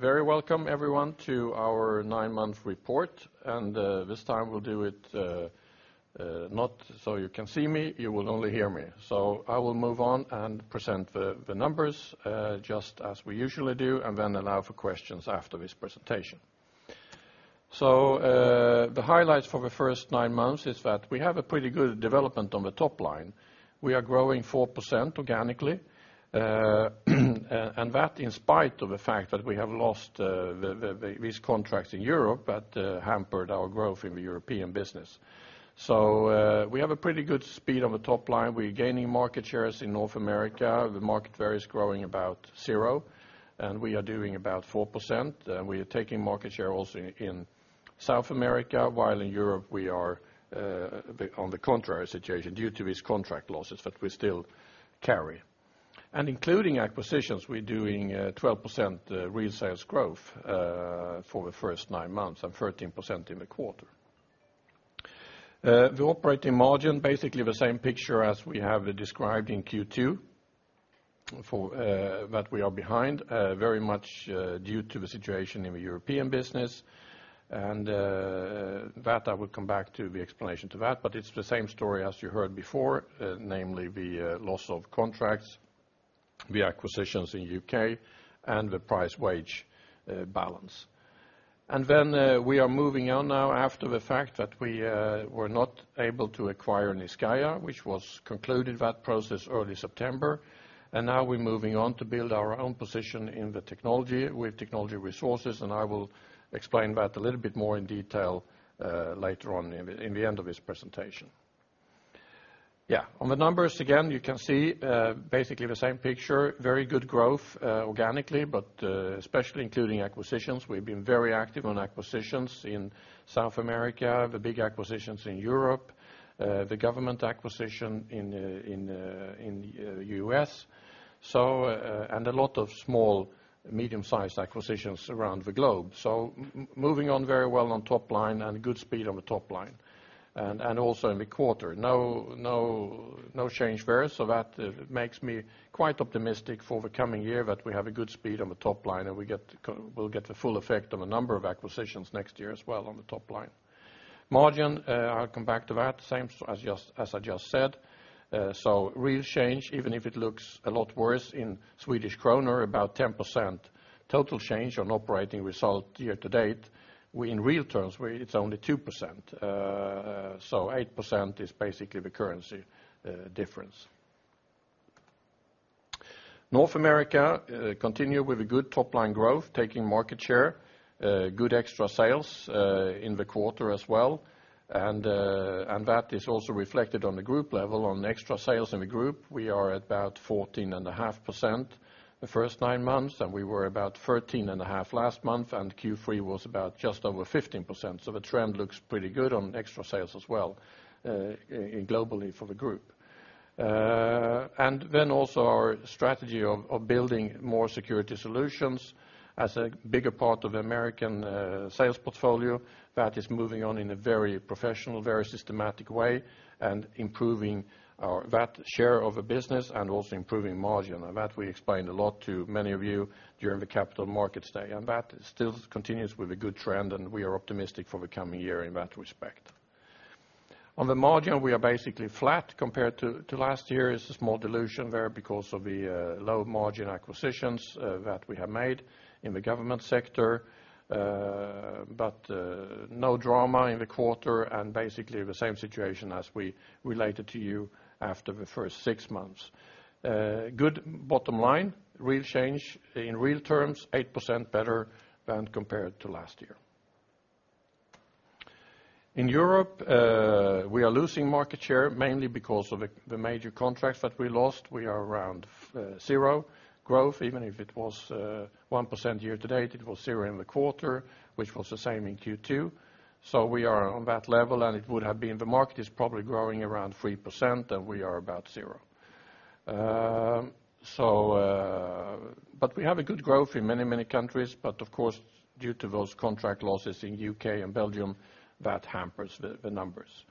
Very welcome, everyone, to our 9-month report, and this time we'll do it not so you can see me. You will only hear me. So, I will move on and present the numbers just as we usually do and then allow for questions after this presentation. So, the highlights for the first 9 months are that we have a pretty good development on the top line: we are growing 4% organically, and that in spite of the fact that we have lost these contracts in Europe that hampered our growth in the European business. So, we have a pretty good speed on the top line: we are gaining market shares in North America. The market value is growing about 0, and we are doing about 4%. We are taking market share also in South America, while in Europe we are on the contrary situation due to these contract losses that we still carry. Including acquisitions, we are doing 12% real sales growth for the first nine months and 13% in the quarter. The operating margin is basically the same picture as we have described in Q2, that we are behind, very much due to the situation in the European business. I will come back to the explanation of that, but it is the same story as you heard before, namely the loss of contracts, the acquisitions in the UK, and the price-wage balance. Then we are moving on now after the fact that we were not able to acquire Niscayah, which was concluded that process early September, and now we are moving on to build our own position in the technology with technology resources, and I will explain that a little bit more in detail later on in the end of this presentation. On the numbers again, you can see basically the same picture: very good growth organically but especially including acquisitions. We have been very active on acquisitions in South America, the big acquisitions in Europe, the government acquisition in the U.S., and a lot of small, medium-sized acquisitions around the globe. So, moving on very well on top line and good speed on the top line, and also in the quarter. No change there, so that makes me quite optimistic for the coming year that we have a good speed on the top line, and we will get the full effect on a number of acquisitions next year as well on the top line. Margin, I will come back to that, same as I just said. Real change, even if it looks a lot worse in Swedish kronor, about 10% total change on operating result year to date, in real terms it is only 2%. So, 8% is basically the currency difference. North America continues with a good top line growth, taking market share, good extra sales in the quarter as well, and that is also reflected on the group level. On extra sales in the group, we are at about 14.5% the first nine months, and we were about 13.5% last month, and Q3 was about just over 15%. So, the trend looks pretty good on extra sales as well globally for the group. Then also our strategy of building more security solutions as a bigger part of the American sales portfolio, that is moving on in a very professional, very systematic way, and improving that share of the business and also improving margin. That we explained a lot to many of you during the Capital Markets Day, and that still continues with a good trend, and we are optimistic for the coming year in that respect. On the margin, we are basically flat compared to last year. It is a small dilution there because of the low margin acquisitions that we have made in the government sector, but no drama in the quarter, and basically the same situation as we related to you after the first six months. Good bottom line, real change in real terms, 8% better than compared to last year. In Europe, we are losing market share mainly because of the major contracts that we lost. We are around zero growth, even if it was 1% year to date, it was zero in the quarter, which was the same in Q2. So, we are on that level, and it would have been the market is probably growing around 3%, and we are about zero. But we have a good growth in many, many countries, but of course due to those contract losses in the UK and Belgium, that hampers the numbers.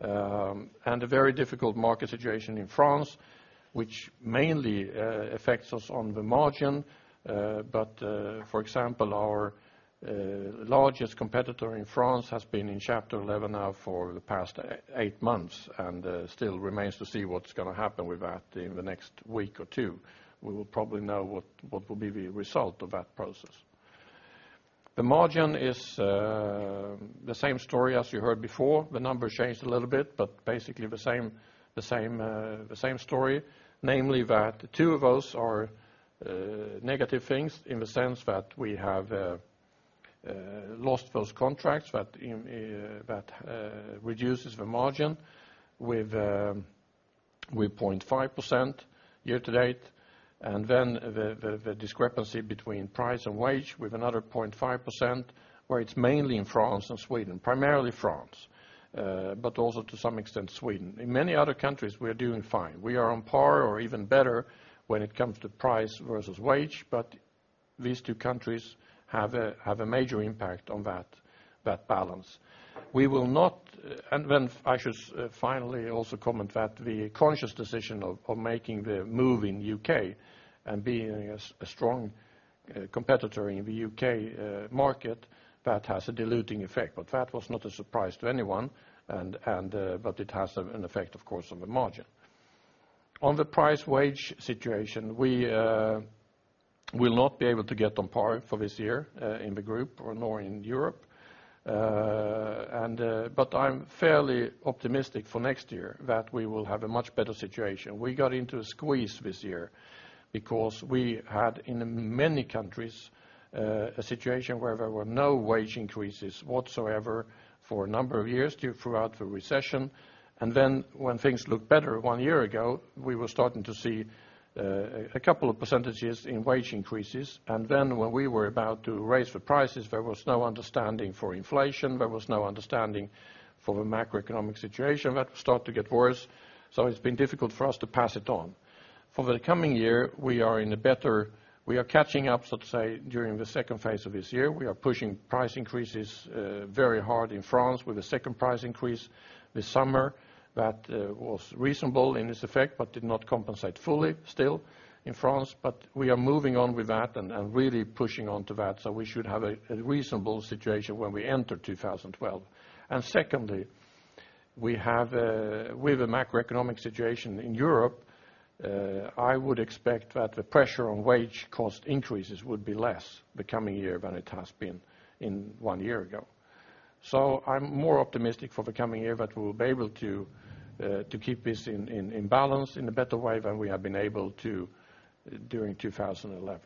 A very difficult market situation in France, which mainly affects us on the margin, but for example, our largest competitor in France has been in Chapter 11 now for the past 8 months and still remains to see what is going to happen with that in the next week or 2. We will probably know what will be the result of that process. The margin is the same story as you heard before. The numbers changed a little bit, but basically the same story, namely that 2 of those are negative things in the sense that we have lost those contracts, that reduces the margin with 0.5% year to date, and then the discrepancy between price and wage with another 0.5%, where it is mainly in France and Sweden, primarily France, but also to some extent Sweden. In many other countries, we are doing fine. We are on par or even better when it comes to price versus wage, but these two countries have a major impact on that balance. We will not, and then I should finally also comment that the conscious decision of making the move in the U.K. and being a strong competitor in the U.K. market, that has a diluting effect, but that was not a surprise to anyone, but it has an effect, of course, on the margin. On the price-wage situation, we will not be able to get on par for this year in the group nor in Europe, but I am fairly optimistic for next year that we will have a much better situation. We got into a squeeze this year because we had, in many countries, a situation where there were no wage increases whatsoever for a number of years throughout the recession, and then when things looked better one year ago, we were starting to see a couple of percentages in wage increases, and then when we were about to raise the prices, there was no understanding for inflation, there was no understanding for the macroeconomic situation that started to get worse, so it has been difficult for us to pass it on. For the coming year, we are catching up, so to say, during the second phase of this year. We are pushing price increases very hard in France with a second price increase this summer that was reasonable in this effect, but did not compensate fully still in France, but we are moving on with that and really pushing on to that so, we should have a reasonable situation when we enter 2012. Secondly, with the macroeconomic situation in Europe, I would expect that the pressure on wage cost increases would be less the coming year than it has been one year ago. So, I am more optimistic for the coming year that we will be able to keep this in balance in a better way than we have been able to during 2011.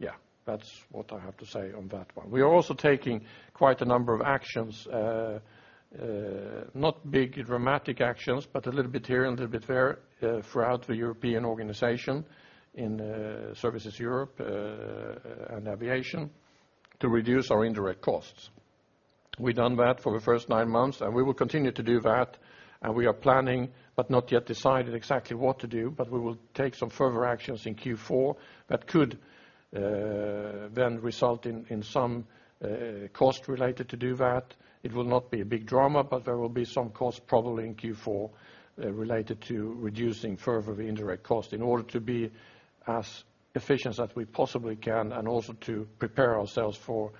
Yeah, that is what I have to say on that one. We are also taking quite a number of actions, not big dramatic actions, but a little bit here and a little bit there throughout the European organization in Security Services Europe and Aviation, to reduce our indirect costs. We have done that for the first nine months, and we will continue to do that, and we are planning, but not yet decided exactly what to do, but we will take some further actions in Q4 that could then result in some cost related to do that. It will not be a big drama, but there will be some costs probably in Q4 related to reducing further the indirect cost in order to be as efficient as we possibly can and also to prepare ourselves for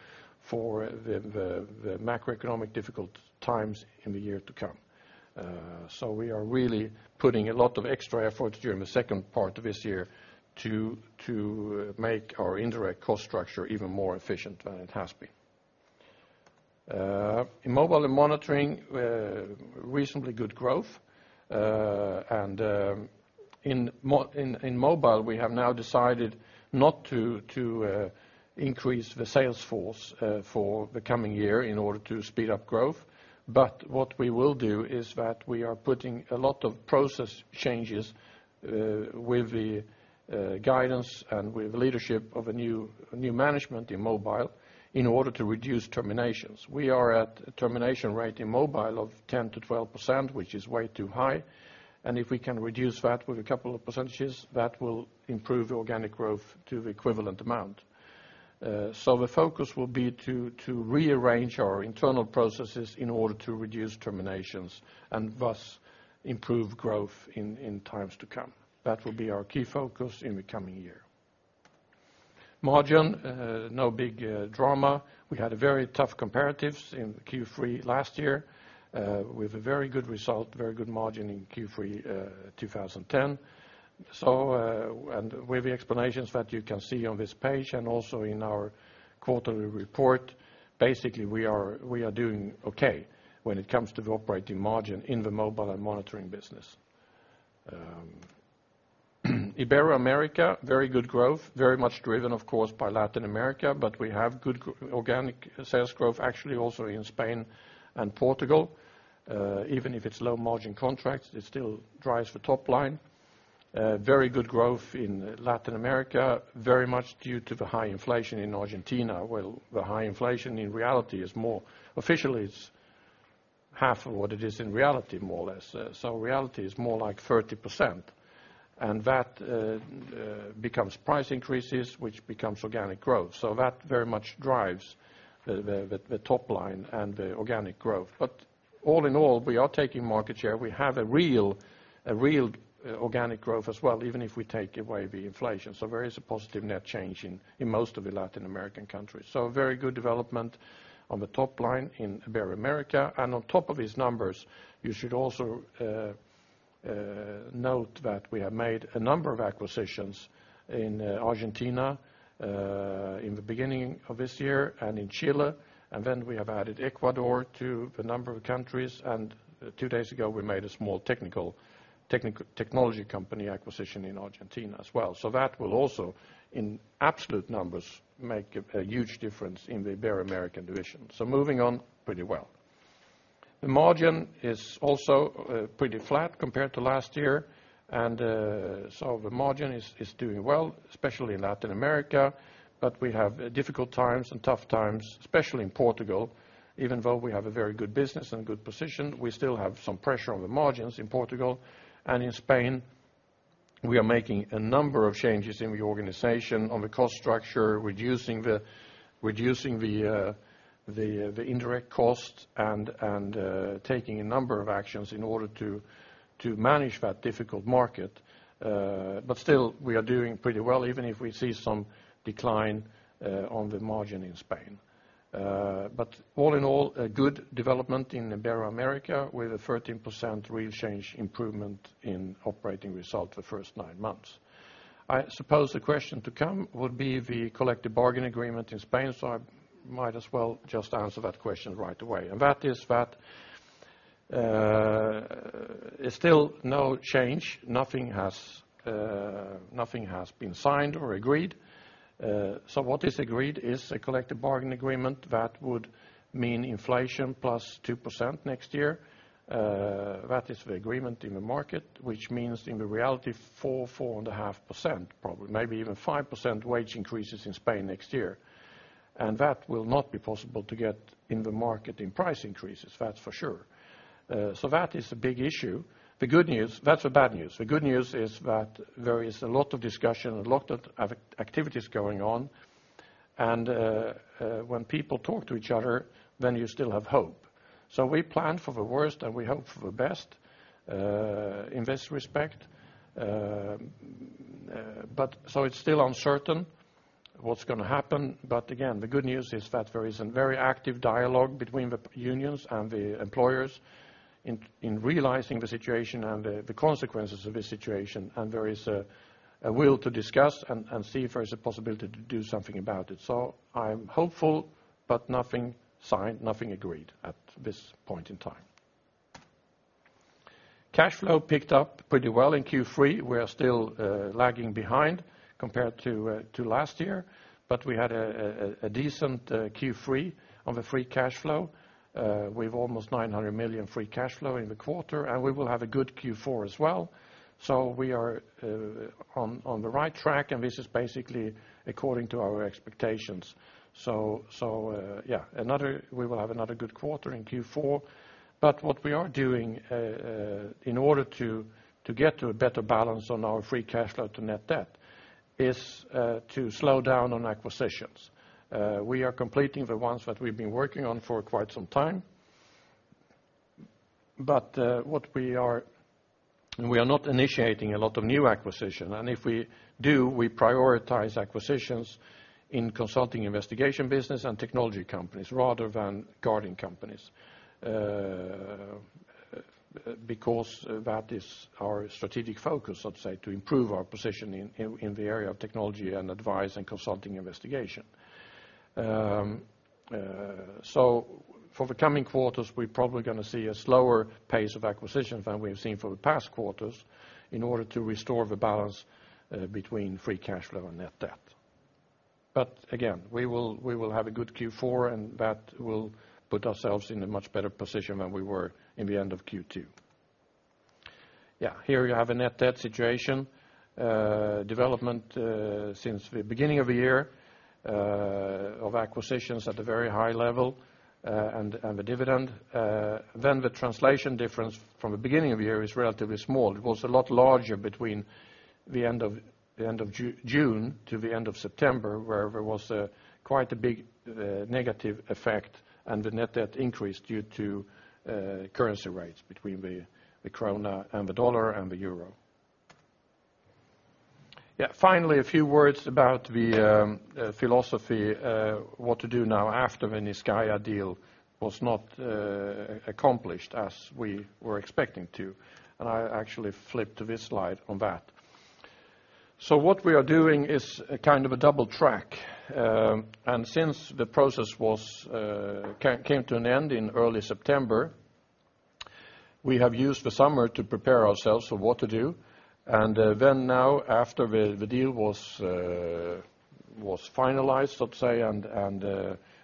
the macroeconomic difficult times in the year to come. We are really putting a lot of extra efforts during the second part of this year to make our indirect cost structure even more efficient than it has been. In Mobile and Monitoring, reasonably good growth, and in Mobile, we have now decided not to increase the sales force for the coming year in order to speed up growth, but what we will do is that we are putting a lot of process changes with the guidance and with the leadership of a new management in Mobile in order to reduce terminations. We are at a termination rate in Mobile of 10%-12%, which is way too high, and if we can reduce that with a couple of percentages, that will improve the organic growth to the equivalent amount. So, the focus will be to rearrange our internal processes in order to reduce terminations and thus improve growth in times to come. That will be our key focus in the coming year. Margin, no big drama. We had very tough comparatives in Q3 last year with a very good result, very good margin in Q3 2010, and with the explanations that you can see on this page and also in our quarterly report, basically we are doing okay when it comes to the operating margin in the mobile and monitoring business. Ibero-America, very good growth, very much driven, of course, by Latin America, but we have good organic sales growth actually also in Spain and Portugal. Even if it is low margin contracts, it still drives the top line. Very good growth in Latin America, very much due to the high inflation in Argentina. Well, the high inflation in reality is more officially, it is half of what it is in reality, more or less. So, reality is more like 30%, and that becomes price increases, which becomes organic growth. So, that very much drives the top line and the organic growth. But all in all, we are taking market share. We have a real organic growth as well, even if we take away the inflation. So, there is a positive net change in most of the Latin American countries. So, very good development on the top line in Ibero-America, and on top of these numbers, you should also note that we have made a number of acquisitions in Argentina in the beginning of this year and in Chile, and then we have added Ecuador to the number of countries, and two days ago we made a small technology company acquisition in Argentina as well. So, that will also, in absolute numbers, make a huge difference in the Ibero-American division. So, moving on pretty well. The margin is also pretty flat compared to last year, and so the margin is doing well, especially in Latin America, but we have difficult times and tough times, especially in Portugal. Even though we have a very good business and good position, we still have some pressure on the margins in Portugal, and in Spain, we are making a number of changes in the organization on the cost structure, reducing the indirect cost, and taking a number of actions in order to manage that difficult market, but still we are doing pretty well even if we see some decline on the margin in Spain. But all in all, good development in Ibero-America with a 13% real change improvement in operating result the first nine months. I suppose the question to come would be the collective bargaining agreement in Spain, so, I might as well just answer that question right away, and that is that it is still no change. Nothing has been signed or agreed. So, what is agreed is a collective bargaining agreement that would mean inflation plus 2% next year. That is the agreement in the market, which means in reality 4%, 4.5%, maybe even 5% wage increases in Spain next year, and that will not be possible to get in the market in price increases, that is for sure. So, that is a big issue. The good news, that is the bad news. The good news is that there is a lot of discussion, a lot of activities going on, and when people talk to each other, then you still have hope. So, we plan for the worst and we hope for the best in this respect, but so it is still uncertain what is going to happen, but again, the good news is that there is a very active dialogue between the unions and the employers in realizing the situation and the consequences of this situation, and there is a will to discuss and see if there is a possibility to do something about it. So, I am hopeful, but nothing signed, nothing agreed at this point in time. Cash flow picked up pretty well in Q3. We are still lagging behind compared to last year, but we had a decent Q3 on the free cash flow. We have almost 900 million free cash flow in the quarter, and we will have a good Q4 as well. So, we are on the right track, and this is basically according to our expectations. So, yeah, we will have another good quarter in Q4, but what we are doing in order to get to a better balance on our free cash flow to net debt is to slow down on acquisitions. We are completing the ones that we have been working on for quite some time, but we are not initiating a lot of new acquisitions, and if we do, we prioritize acquisitions in consulting investigation business and technology companies rather than guarding companies because that is our strategic focus, so to say, to improve our position in the area of technology and advice and consulting investigation. So, for the coming quarters, we are probably going to see a slower pace of acquisitions than we have seen for the past quarters in order to restore the balance between free cash flow and net debt. But again, we will have a good Q4, and that will put ourselves in a much better position than we were in the end of Q2. Yeah, here you have a net debt situation, development since the beginning of the year of acquisitions at a very high level and the dividend. Then the translation difference from the beginning of the year is relatively small. It was a lot larger between the end of June to the end of September, where there was quite a big negative effect and the net debt increased due to currency rates between the krona and the dollar and the euro. Yeah, finally, a few words about the philosophy, what to do now after the Niscayah deal was not accomplished as we were expecting to, and I actually flipped this slide on that. So, what we are doing is kind of a double track, and since the process came to an end in early September, we have used the summer to prepare ourselves for what to do, and then now after the deal was finalized, so to say, and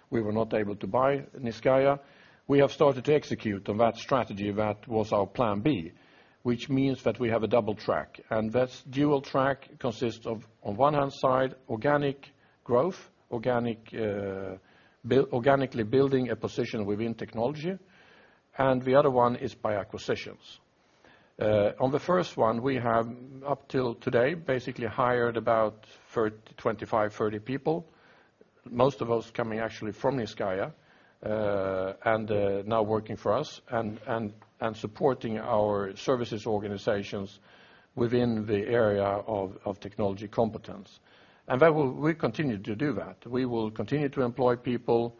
we were not able to buy Niscayah, we have started to execute on that strategy that was our Plan B, which means that we have a double track, and that dual track consists of, on one hand side, organic growth, organically building a position within technology, and the other one is by acquisitions. On the first one, we have up till today basically hired about 25-30 people, most of those coming actually from Niscayah and now working for us and supporting our services organizations within the area of technology competence, and we continue to do that. We will continue to employ people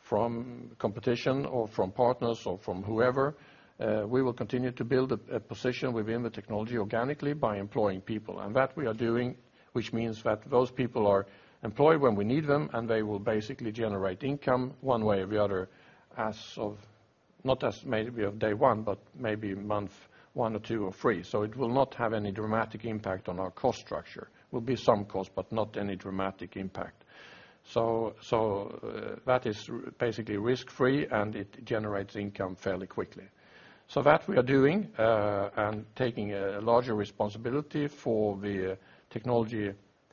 from competition or from partners or from whoever. We will continue to build a position within the technology organically by employing people, and that we are doing, which means that those people are employed when we need them, and they will basically generate income one way or the other as of not as maybe of day one, but maybe month 1 or 2 or 3, so it will not have any dramatic impact on our cost structure. There will be some cost, but not any dramatic impact. So, that is basically risk-free, and it generates income fairly quickly. So, that we are doing and taking a larger responsibility for the technology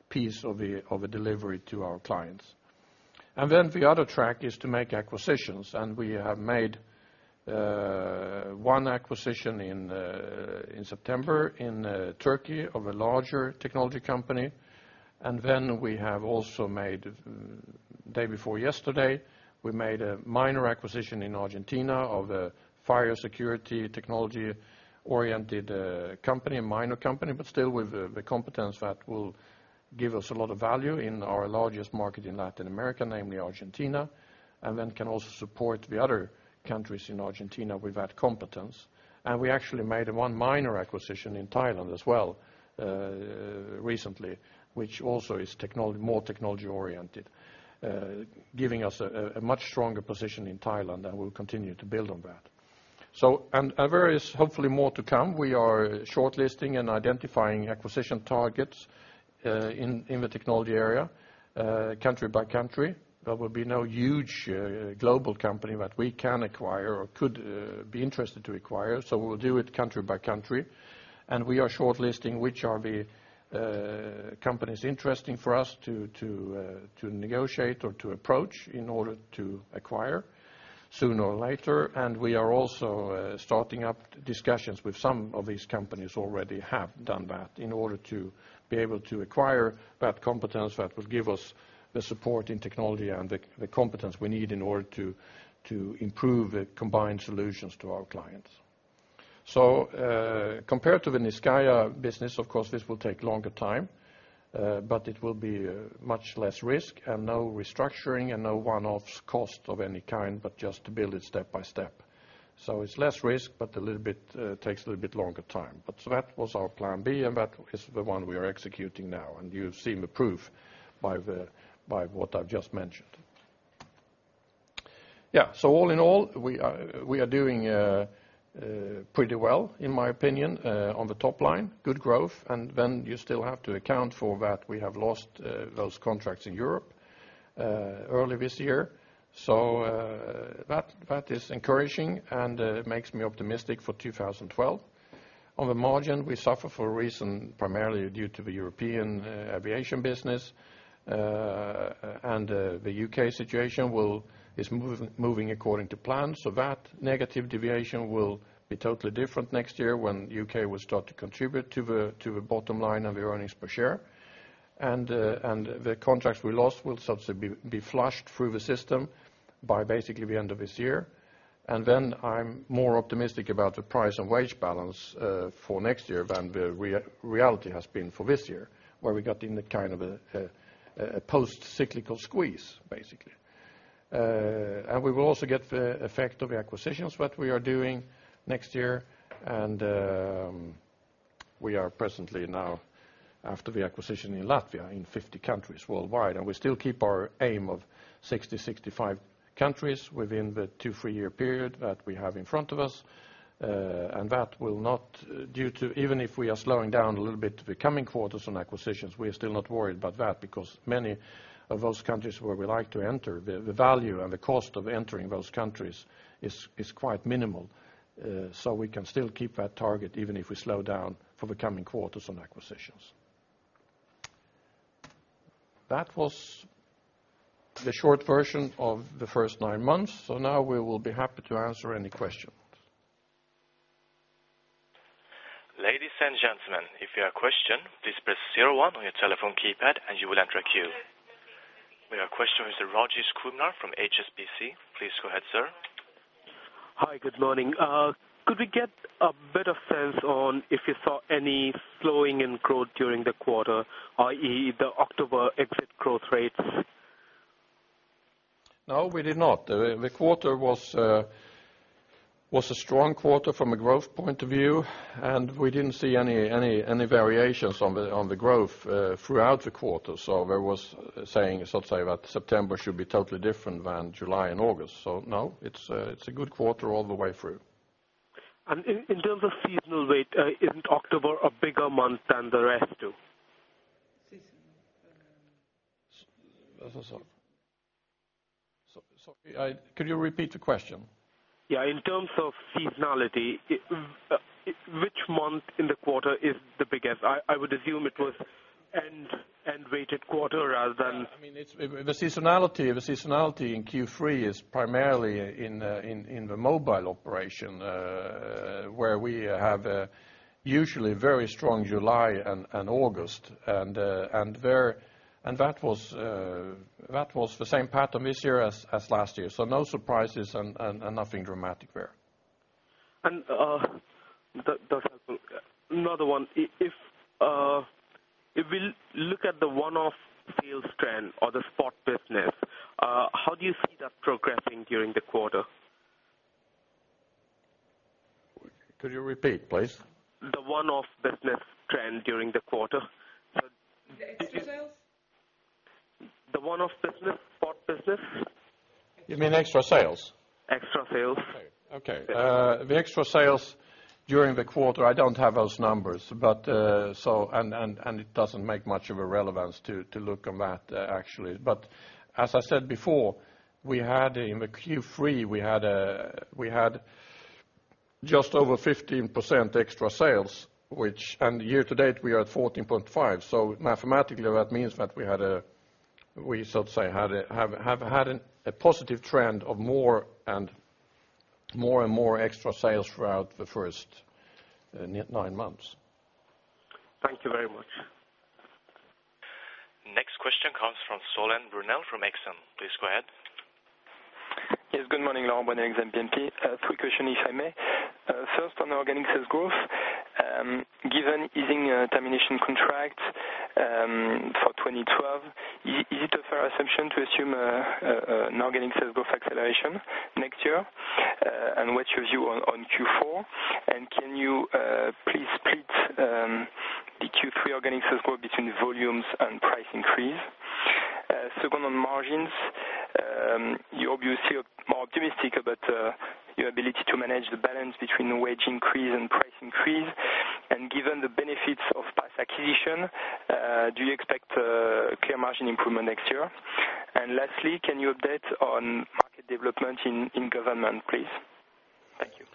piece of the delivery to our clients. And then the other track is to make acquisitions, and we have made one acquisition in September in Turkey of a larger technology company, and then we have also made the day before yesterday, we made a minor acquisition in Argentina of a fire security technology-oriented company, a minor company, but still with the competence that will give us a lot of value in our largest market in Latin America, namely Argentina, and then can also support the other countries in Argentina with that competence. And we actually made one minor acquisition in Thailand as well recently, which also is more technology-oriented, giving us a much stronger position in Thailand, and we will continue to build on that. So, there is hopefully more to come. We are shortlisting and identifying acquisition targets in the technology area, country by country. There will be no huge global company that we can acquire or could be interested to acquire, so we will do it country by country, and we are shortlisting which are the companies interesting for us to negotiate or to approach in order to acquire sooner or later, and we are also starting up discussions with some of these companies who already have done that in order to be able to acquire that competence that will give us the support in technology and the competence we need in order to improve the combined solutions to our clients. So, compared to the Niscayah business, of course, this will take longer time, but it will be much less risk and no restructuring and no one-offs cost of any kind, but just to build it step by step. So, it is less risk, but it takes a little bit longer time, but that was our Plan B, and that is the one we are executing now, and you have seen the proof by what I have just mentioned. Yeah, so all in all, we are doing pretty well in my opinion on the top line, good growth, and then you still have to account for that we have lost those contracts in Europe early this year, so that is encouraging and makes me optimistic for 2012. On the margin, we suffer for a reason primarily due to the European aviation business and the U.K. situation is moving according to plan, so that negative deviation will be totally different next year when the U.K. will start to contribute to the bottom line and the earnings per share, and the contracts we lost will be flushed through the system by basically the end of this year. And then I am more optimistic about the price and wage balance for next year than the reality has been for this year, where we got in kind of a post-cyclical squeeze basically. We will also get the effect of the acquisitions that we are doing next year, and we are presently now after the acquisition in Latvia in 50 countries worldwide, and we still keep our aim of 60-65 countries within the 2-3-year period that we have in front of us, and that will not due to even if we are slowing down a little bit the coming quarters on acquisitions, we are still not worried about that because many of those countries where we like to enter, the value and the cost of entering those countries is quite minimal, so we can still keep that target even if we slow down for the coming quarters on acquisitions. That was the short version of the first nine months, so now we will be happy to answer any questions. Ladies and gentlemen, if you have a question, please press zero one on your telephone keypad, and you will enter a queue. We have a question here from Rajesh Kumar from HSBC. Please go ahead, sir. Hi, good morning. Could we get a better sense on if you saw any slowing in growth during the quarter, i.e., the October exit growth rates? No, we did not. The quarter was a strong quarter from a growth point of view, and we didn't see any variations on the growth throughout the quarter, so there was saying, so to say, that September should be totally different than July and August. So no, it is a good quarter all the way through. And in terms of seasonal weight, isn't October a bigger month than the rest too? Sorry, could you repeat the question? Yeah, in terms of seasonality, which month in the quarter is the biggest? I would assume it was end-weighted quarter rather than... I mean, the seasonality in Q3 is primarily in the mobile operation, where we have usually very strong July and August, and that was the same pattern this year as last year, so no surprises and nothing dramatic there. And that's helpful. Another one, if we look at the one-off sales trend or the spot business, how do you see that progressing during the quarter? Could you repeat, please? The one-off business trend during the quarter? Extra sales? The one-off spot business? You mean extra sales? Extra sales. Okay. The extra sales during the quarter, I don't have those numbers, and it doesn't make much of a relevance to look on that actually, but as I said before, in the Q3, we had just over 15% extra sales, and year to date we are at 14.5%, so mathematically that means that we had a, so to say, had a positive trend of more and more extra sales throughout the first nine months. Thank you very much. Next question comes from Laurent Brunelle from Exane BNP Paribas. Please go ahead. Yes, good morning, Laurent Brunelle with Exane BNP Paribas. Three questions, if I may. First, on the organic sales growth, given easing termination contracts for 2012, is it a fair assumption to assume an organic sales growth acceleration next year, and what is your view on Q4? And can you please split the Q3 organic sales growth between volumes and price increase? Second, on margins, you are obviously more optimistic about your ability to manage the balance between wage increase and price increase, and given the benefits of past acquisition, do you expect clear margin improvement next year? And lastly, can you update on market development in government, please? Thank you.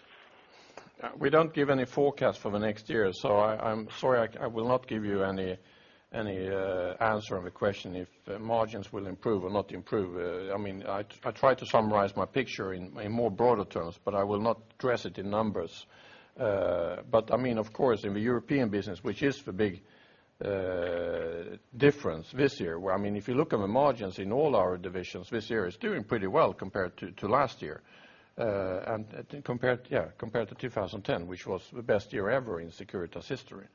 We don't give any forecast for the next year, so I am sorry, I will not give you any answer on the question if margins will improve or not improve. I mean, I try to summarize my picture in more broader terms, but I will not dress it in numbers. But I mean, of course, in the European business, which is the big difference this year, where I mean, if you look at the margins in all our divisions, this year is doing pretty well compared to last year, and compared to 2010, which was the best year ever in Securitas history.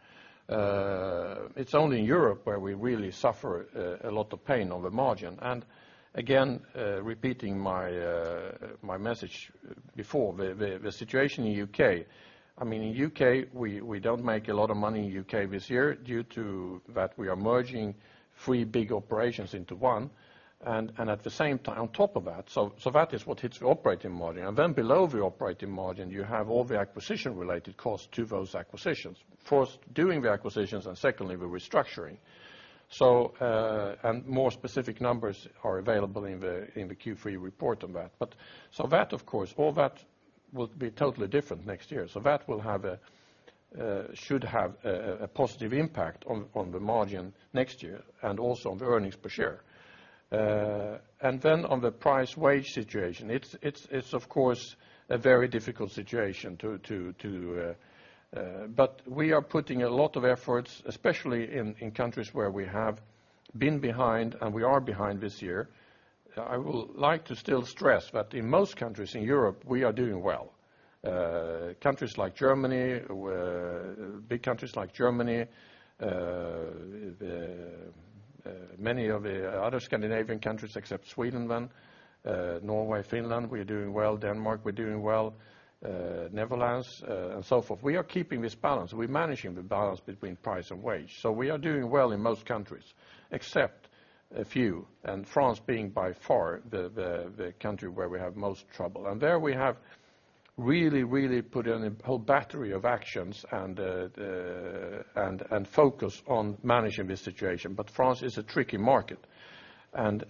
It is only in Europe where we really suffer a lot of pain on the margin, and again, repeating my message before, the situation in the U.K., I mean, in the U.K., we don't make a lot of money in the U.K. this year due to that we are merging three big operations into one, and at the same. On top of that, so that is what hits the operating margin, and then below the operating margin, you have all the acquisition-related costs to those acquisitions, first doing the acquisitions and secondly the restructuring, and more specific numbers are available in the Q3 report on that. So that, of course, all that will be totally different next year, so that should have a positive impact on the margin next year and also on the earnings per share. And then on the price-wage situation, it is, of course, a very difficult situation to, but we are putting a lot of efforts, especially in countries where we have been behind and we are behind this year. I would like to still stress that in most countries in Europe, we are doing well. Countries like Germany, big countries like Germany, many of the other Scandinavian countries except Sweden, then Norway, Finland, we are doing well. Denmark, we are doing well. Netherlands, and so forth. We are keeping this balance, we are managing the balance between price and wage, so we are doing well in most countries except a few, and France being by far the country where we have most trouble, and there we have really, really put in a whole battery of actions and focus on managing this situation, but France is a tricky market, and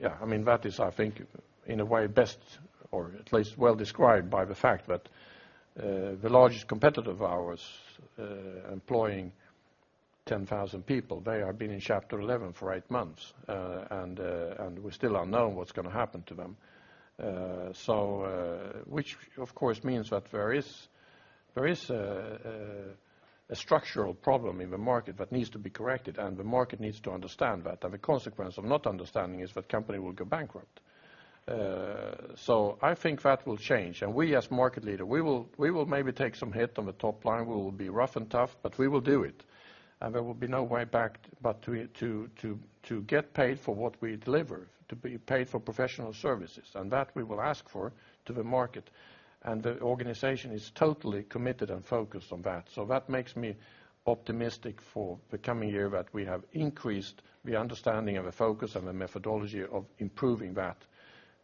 yeah, I mean, that is, I think, in a way best or at least well described by the fact that the largest competitor of ours employing 10,000 people, they have been in Chapter 11 for eight months, and we still don't know what is going to happen to them, which, of course, means that there is a structural problem in the market that needs to be corrected, and the market needs to understand that, and the consequence of not understanding is that companies will go bankrupt. So I think that will change, and we as market leaders, we will maybe take some hit on the top line, we will be rough and tough, but we will do it, and there will be no way back but to get paid for what we deliver, to be paid for professional services, and that we will ask for to the market, and the organization is totally committed and focused on that, so that makes me optimistic for the coming year that we have increased the understanding of the focus and the methodology of improving that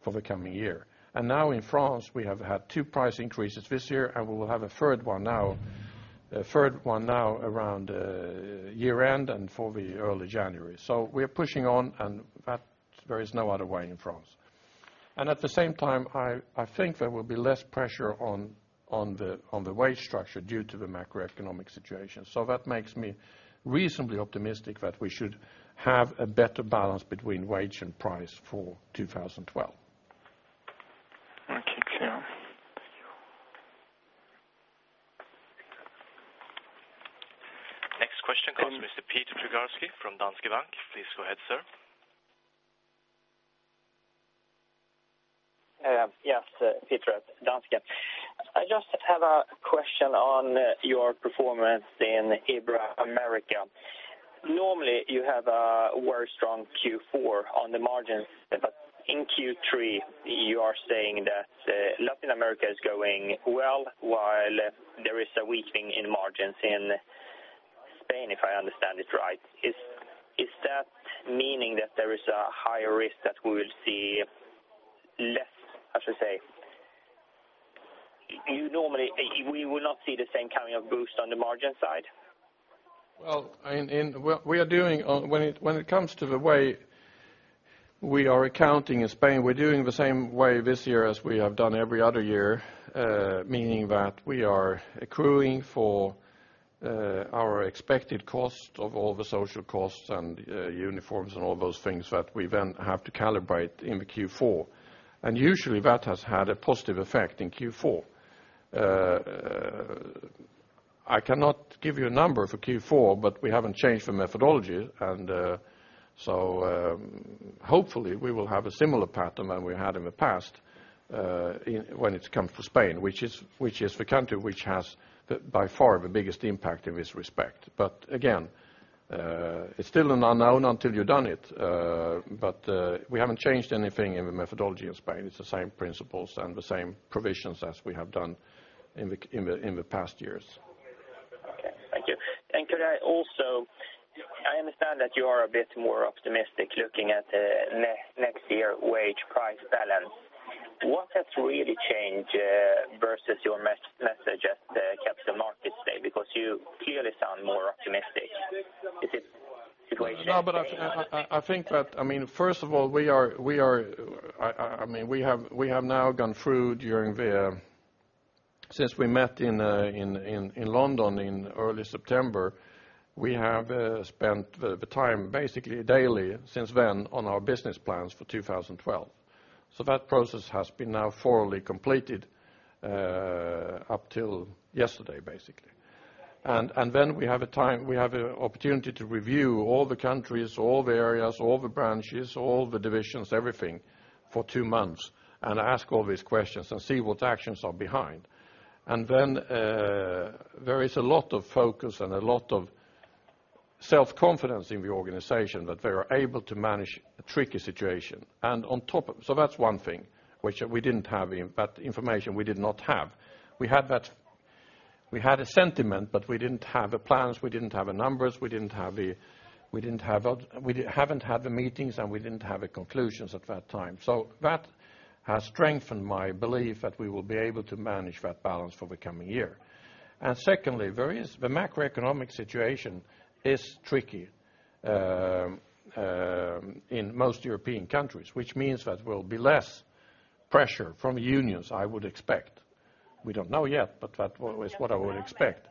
for the coming year. And now in France, we have had two price increases this year, and we will have a third one now around year-end and for the early January, so we are pushing on, and there is no other way in France. And at the same time, I think there will be less pressure on the wage structure due to the macroeconomic situation, so that makes me reasonably optimistic that we should have a better balance between wage and price for 2012. Thank you. Next question comes from Mr. Peter Trigarszky from Danske Bank. Please go ahead, sir. Yes, Peter at Danske. I just have a question on your performance in Ibero-America. Normally, you have a very strong Q4 on the margins, but in Q3, you are saying that Latin America is going well while there is a weakening in margins in Spain, if I understand it right. Is that meaning that there is a higher risk that we will see less, how should I say, we will not see the same kind of boost on the margin side? Well, we are doing, when it comes to the way we are accounting in Spain, the same way this year as we have done every other year, meaning that we are accruing for our expected cost of all the social costs and uniforms and all those things that we then have to calibrate in the Q4, and usually that has had a positive effect in Q4. I cannot give you a number for Q4, but we haven't changed the methodology, and so hopefully we will have a similar pattern than we had in the past when it comes to Spain, which is the country which has by far the biggest impact in this respect, but again, it is still an unknown until you have done it, but we haven't changed anything in the methodology in Spain. It is the same principles and the same provisions as we have done in the past years. Okay, thank you. And could I also, I understand that you are a bit more optimistic looking at next year wage-price balance. What has really changed versus your message at Capital Markets today? Because you clearly sound more optimistic. Is it situational? No, but I think that, I mean, first of all, we are, I mean, we have now gone through during the since we met in London in early September, we have spent the time basically daily since then on our business plans for 2012, so that process has been now thoroughly completed up till yesterday basically, and then we have a time, we have an opportunity to review all the countries, all the areas, all the branches, all the divisions, everything for two months, and ask all these questions and see what actions are behind, and then there is a lot of focus and a lot of self-confidence in the organization that they are able to manage a tricky situation, and on top of so that is one thing which we didn't have that information we did not have. We had a sentiment, but we didn't have the plans, we didn't have the numbers, we haven't had the meetings and we didn't have the conclusions at that time, so that has strengthened my belief that we will be able to manage that balance for the coming year. Secondly, the macroeconomic situation is tricky in most European countries, which means that there will be less pressure from unions, I would expect. We don't know yet, but that is what I would expect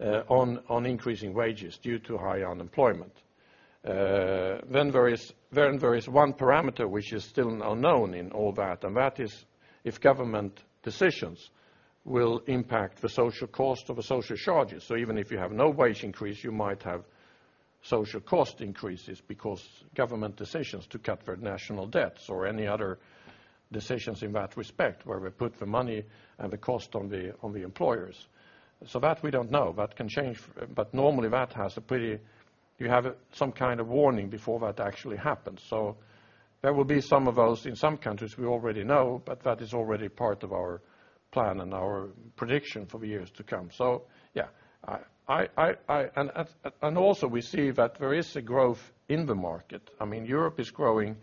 on increasing wages due to high unemployment. Then there is one parameter which is still unknown in all that, and that is if government decisions will impact the social cost of the social charges, so even if you have no wage increase, you might have social cost increases because government decisions to cut for national debts or any other decisions in that respect where we put the money and the cost on the employers, so that we don't know. That can change, but normally that has a pretty, you have some kind of warning before that actually happens, so there will be some of those in some countries we already know, but that is already part of our plan and our prediction for the years to come, so yeah. And also we see that there is a growth in the market. I mean, Europe is growing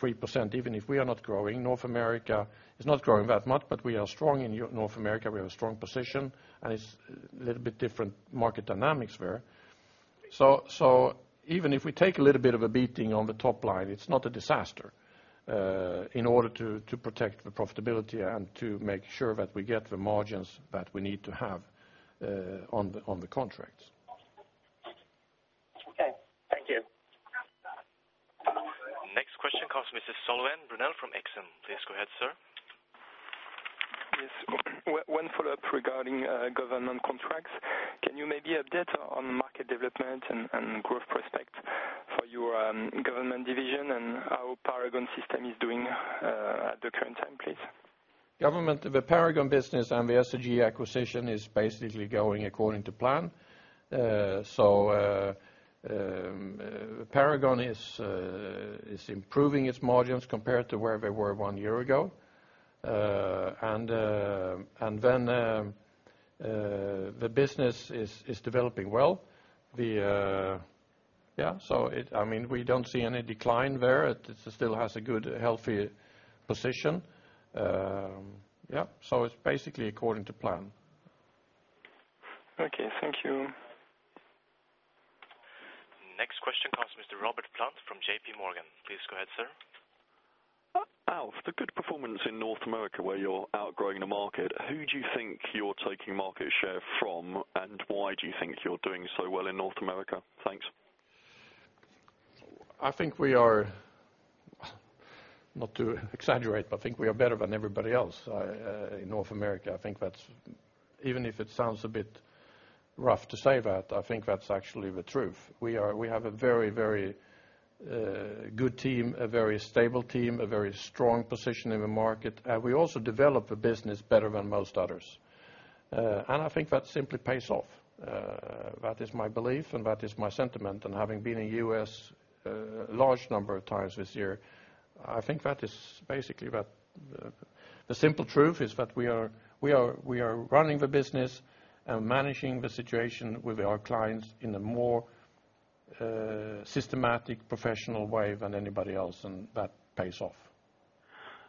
3% even if we are not growing. North America is not growing that much, but we are strong in North America, we have a strong position, and it is a little bit different market dynamics there, so even if we take a little bit of a beating on the top line, it is not a disaster in order to protect the profitability and to make sure that we get the margins that we need to have on the contracts. Okay, thank you. Next question comes from Mr. Laurent Brunelle from Exane BNP Paribas.Please go ahead, sir. Yes, one follow-up regarding government contracts. Can you maybe update on market development and growth prospects for your government division and how Paragon Systems is doing at the current time, please? Government, the Paragon business and the SCG acquisition is basically going according to plan, so Paragon is improving its margins compared to where they were one year ago, and then the business is developing well. Yeah, so I mean, we don't see any decline there, it still has a good, healthy position, yeah, so it is basically according to plan. Okay, thank you. Next question comes from Mr. Robert Plant from J.P. Morgan. Please go ahead, sir. Alf, the good performance in North America where you are outgrowing the market, who do you think you are taking market share from, and why do you think you are doing so well in North America? Thanks. I think we are not to exaggerate, but I think we are better than everybody else in North America. I think that is even if it sounds a bit rough to say that, I think that is actually the truth. We have a very, very good team, a very stable team, a very strong position in the market, and we also develop a business better than most others, and I think that simply pays off. That is my belief and that is my sentiment, and having been in the U.S. a large number of times this year, I think that is basically that. The simple truth is that we are running the business and managing the situation with our clients in a more systematic, professional way than anybody else, and that pays off.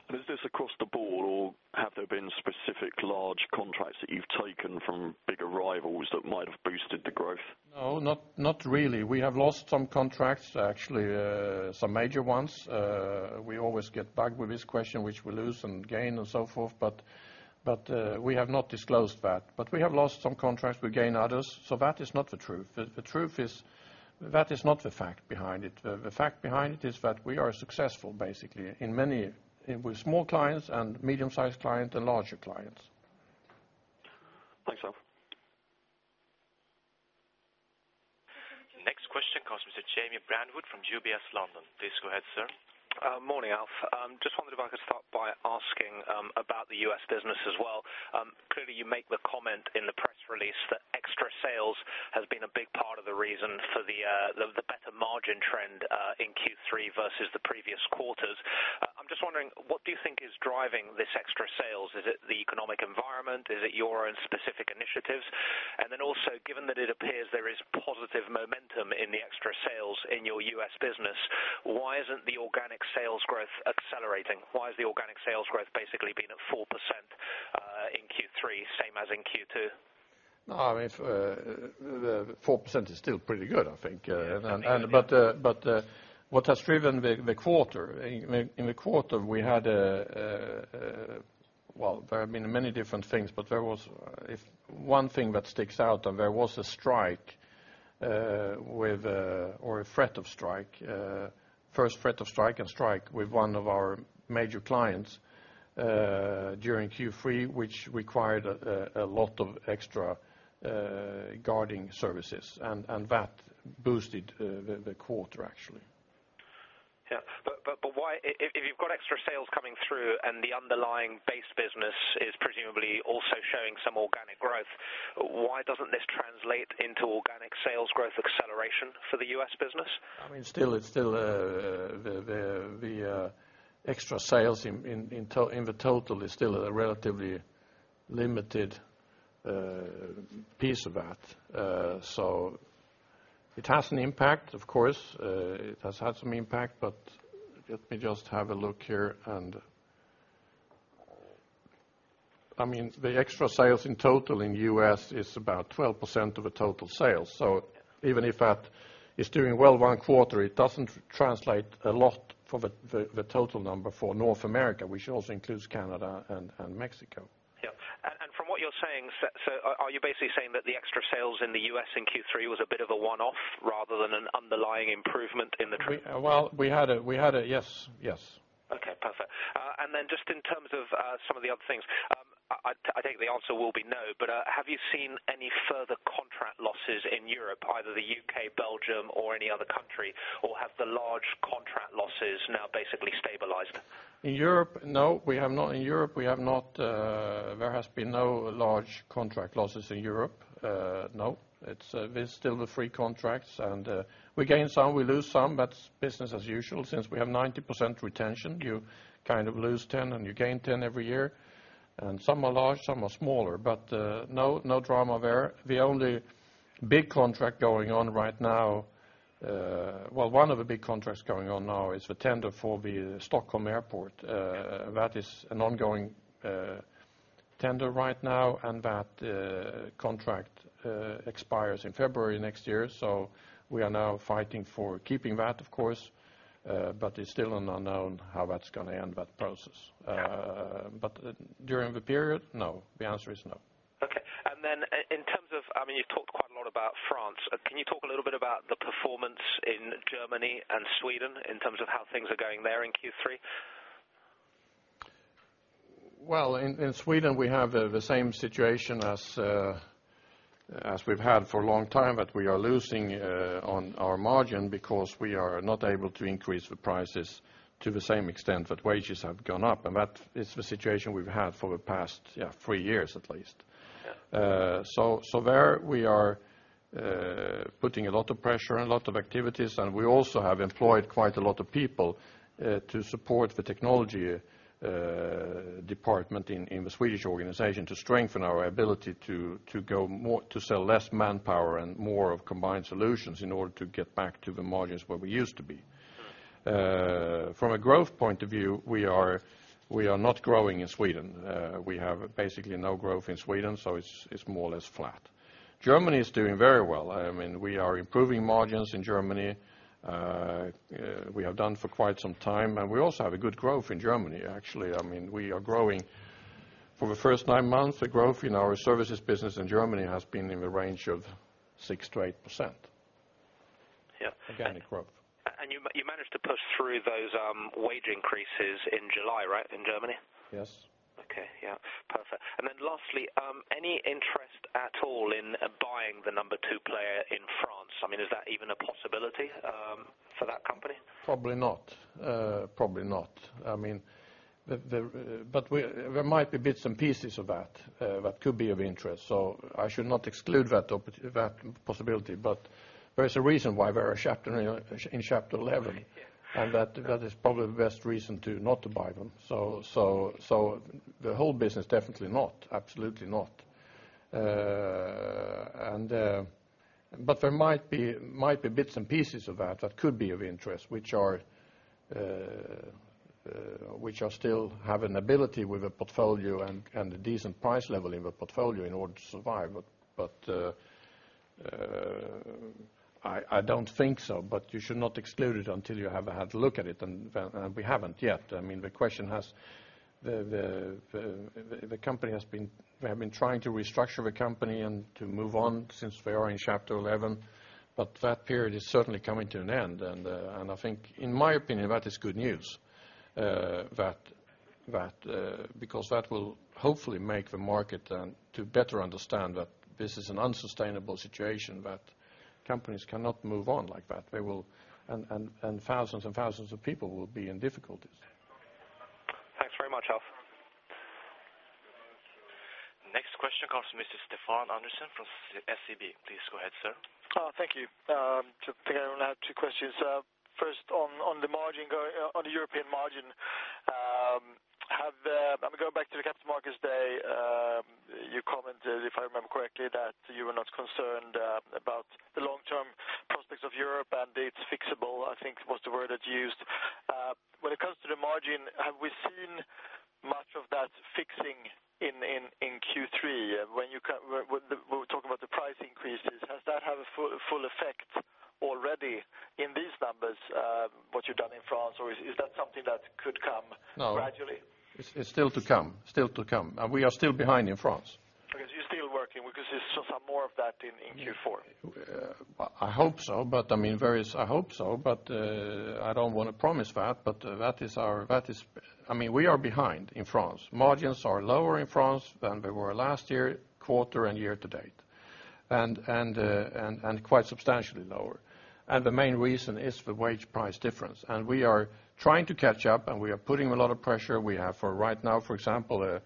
And is this across the board, or have there been specific large contracts that you have taken from bigger rivals that might have boosted the growth? No, not really. We have lost some contracts, actually some major ones. We always get bugged with this question, which we lose and gain and so forth, but we have not disclosed that. But we have lost some contracts, we gain others, so that is not the truth. The truth is that is not the fact behind it. The fact behind it is that we are successful basically with small clients and medium-sized clients and larger clients. Thanks, Alf. Next question comes from Mr. Jamie Brandwood from UBS London. Please go ahead, sir. Morning, Alf. Just wondered if I could start by asking about the US business as well. Clearly, you make the comment in the press release that extra sales has been a big part of the reason for the better margin trend in Q3 versus the previous quarters. I am just wondering, what do you think is driving this extra sales? Is it the economic environment? Is it your own specific initiatives? And then also, given that it appears there is positive momentum in the extra sales in your US business, why isn't the organic sales growth accelerating? Why has the organic sales growth basically been at 4% in Q3, same as in Q2? No, I mean, the 4% is still pretty good, I think, but what has driven the quarter? In the quarter, we had, well, there have been many different things, but there was one thing that sticks out, and there was a strike with or a threat of strike, first threat of strike and strike with one of our major clients during Q3, which required a lot of extra guarding services, and that boosted the quarter actually. Yes, but why, if you have got extra sales coming through and the underlying base business is presumably also showing some organic growth, why doesn't this translate into organic sales growth acceleration for the U.S. business? I mean, still, it is still the extra sales in the total is still a relatively limited piece of that, so it has an impact, of course. It has had some impact, but let me just have a look here, and I mean, the extra sales in total in the U.S. is about 12% of the total sales, so even if that is doing well one quarter, it doesn't translate a lot for the total number for North America, which also includes Canada and Mexico. Yes, and from what you are saying, so, are you basically saying that the extra sales in the U.S. in Q3 was a bit of a one-off rather than an underlying improvement in the trend? Well, we had, yes, yes. Okay, perfect. And then just in terms of some of the other things, I think the answer will be no, but have you seen any further contract losses in Europe, either the U.K., Belgium, or any other country, or have the large contract losses now basically stabilized? In Europe, no, we have not. In Europe, we have not, there has been no large contract losses in Europe, no. It is still the few contracts, and we gain some, we lose some, that is business as usual. Since we have 90% retention, you kind of lose 10 and you gain 10 every year, and some are large, some are smaller, but no, no drama there. The only big contract going on right now, well, one of the big contracts going on now is the tender for the Stockholm Airport. That is an ongoing tender right now, and that contract expires in February next year so, we are now fighting for keeping that, of course, but it is still an unknown how that is going to end, that process. But during the period, no, the answer is no. Okay, and then in terms of, I mean, you have talked quite a lot about France. Can you talk a little bit about the performance in Germany and Sweden in terms of how things are going there in Q3? Well, in Sweden, we have the same situation as we have had for a long time, but we are losing on our margin because we are not able to increase the prices to the same extent, but wages have gone up, and that is the situation we have had for the past three years at least. So there, we are putting a lot of pressure and a lot of activities, and we also have employed quite a lot of people to support the technology department in the Swedish organization to strengthen our ability to go more, to sell less manpower and more of combined solutions in order to get back to the margins where we used to be. From a growth point of view, we are not growing in Sweden. We have basically no growth in Sweden, so it is more or less flat. Germany is doing very well. I mean, we are improving margins in Germany. We have done for quite some time, and we also have a good growth in Germany actually. I mean, we are growing for the first nine months, the growth in our services business in Germany has been in the range of 6%-8%, organic growth. And you managed to push through those wage increases in July, right, in Germany? Yes. Okay, yeah, perfect. And then lastly, any interest at all in buying the number two player in France? I mean, is that even a possibility for that company? Probably not, probably not. I mean, but there might be bits and pieces of that that could be of interest, so, I should not exclude that possibility, but there is a reason why they are in Chapter 11, and that is probably the best reason not to buy them so, the whole business definitely not, absolutely not. But there might be bits and pieces of that that could be of interest, which still have an ability with a portfolio and a decent price level in the portfolio in order to survive, but I don't think so, but you should not exclude it until you have had a look at it, and we haven't yet. I mean, the question has, the company has been, they have been trying to restructure the company and to move on since they are in Chapter 11, but that period is certainly coming to an end, and I think, in my opinion, that is good news because that will hopefully make the market to better understand that this is an unsustainable situation, that companies cannot move on like that. They will, and thousands and thousands of people will be in difficulties. Thanks very much, Alf. Next question comes from Mr. Stefan Andersson from SEB. Please go ahead, sir. Thank you. I think I only have two questions. First, on the margin, on the European margin, have the, I am going to go back to the Capital Markets Day. You commented, if I remember correctly, that you were not concerned about the long-term prospects of Europe and it is fixable, I think was the word that you used. When it comes to the margin, have we seen much of that fixing in Q3? When you were talking about the price increases, has that had a full effect already in these numbers, what you have done in France, or is that something that could come gradually? No, it is still to come, still to come, and we are still behind in France. Okay, so you are still working because you saw some more of that in Q4. I hope so, but I mean, I hope so, but I don't want to promise that, but that is our, that is, I mean, we are behind in France. Margins are lower in France than they were last year, quarter, and year to date, and quite substantially lower, and the main reason is the wage-price difference, and we are trying to catch up, and we are putting a lot of pressure. We have for right now, for example,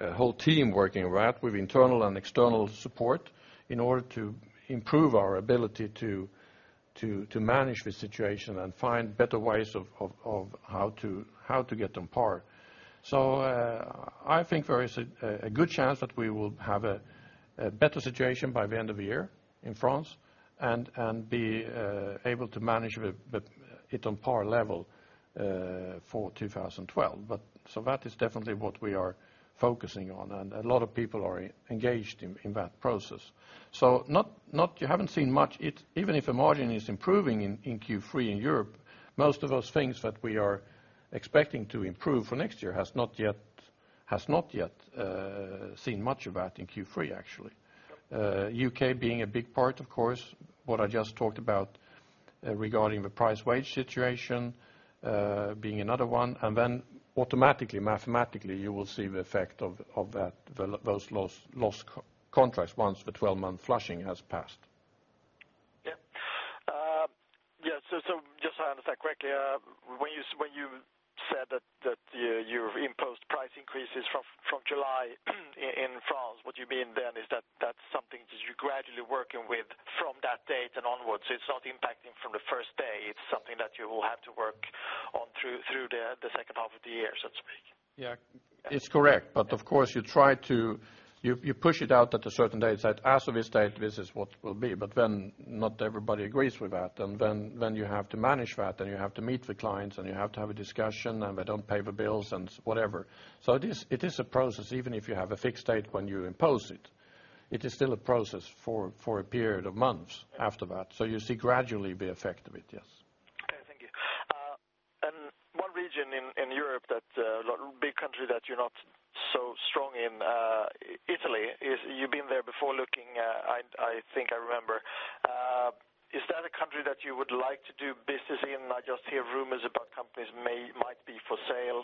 a whole team working with that with internal and external support in order to improve our ability to manage the situation and find better ways of how to get on par. So, I think there is a good chance that we will have a better situation by the end of the year in France and be able to manage it on par level for 2012, but so that is definitely what we are focusing on, and a lot of people are engaged in that process. So, no, you haven't seen much, even if the margin is improving in Q3 in Europe. Most of those things that we are expecting to improve for next year has not yet, has not yet seen much of that in Q3 actually. UK being a big part, of course, what I just talked about regarding the price-wage situation being another one, and then automatically, mathematically, you will see the effect of those lost contracts once the 12-month flushing has passed. Yes, so just so I understand correctly, when you said that you have imposed price increases from July in France, what you mean then is that that is something that you are gradually working with from that date and onwards, so it is not impacting from the first day. It is something that you will have to work on through the second half of the year, so to speak. Yes, it is correct, but of course, you try to, you push it out at a certain date, say, "As of this date, this is what will be," but then not everybody agrees with that, and then you have to manage that, and you have to meet with clients, and you have to have a discussion, and they don't pay the bills and whatever. So, it is a process, even if you have a fixed date when you impose it, it is still a process for a period of months after that, so you see gradually the effect of it, yes. Okay, thank you. One region in Europe that, big country that you are not so strong in, Italy, you have been there before looking, I think I remember. Is that a country that you would like to do business in? I just hear rumors about companies might be for sale.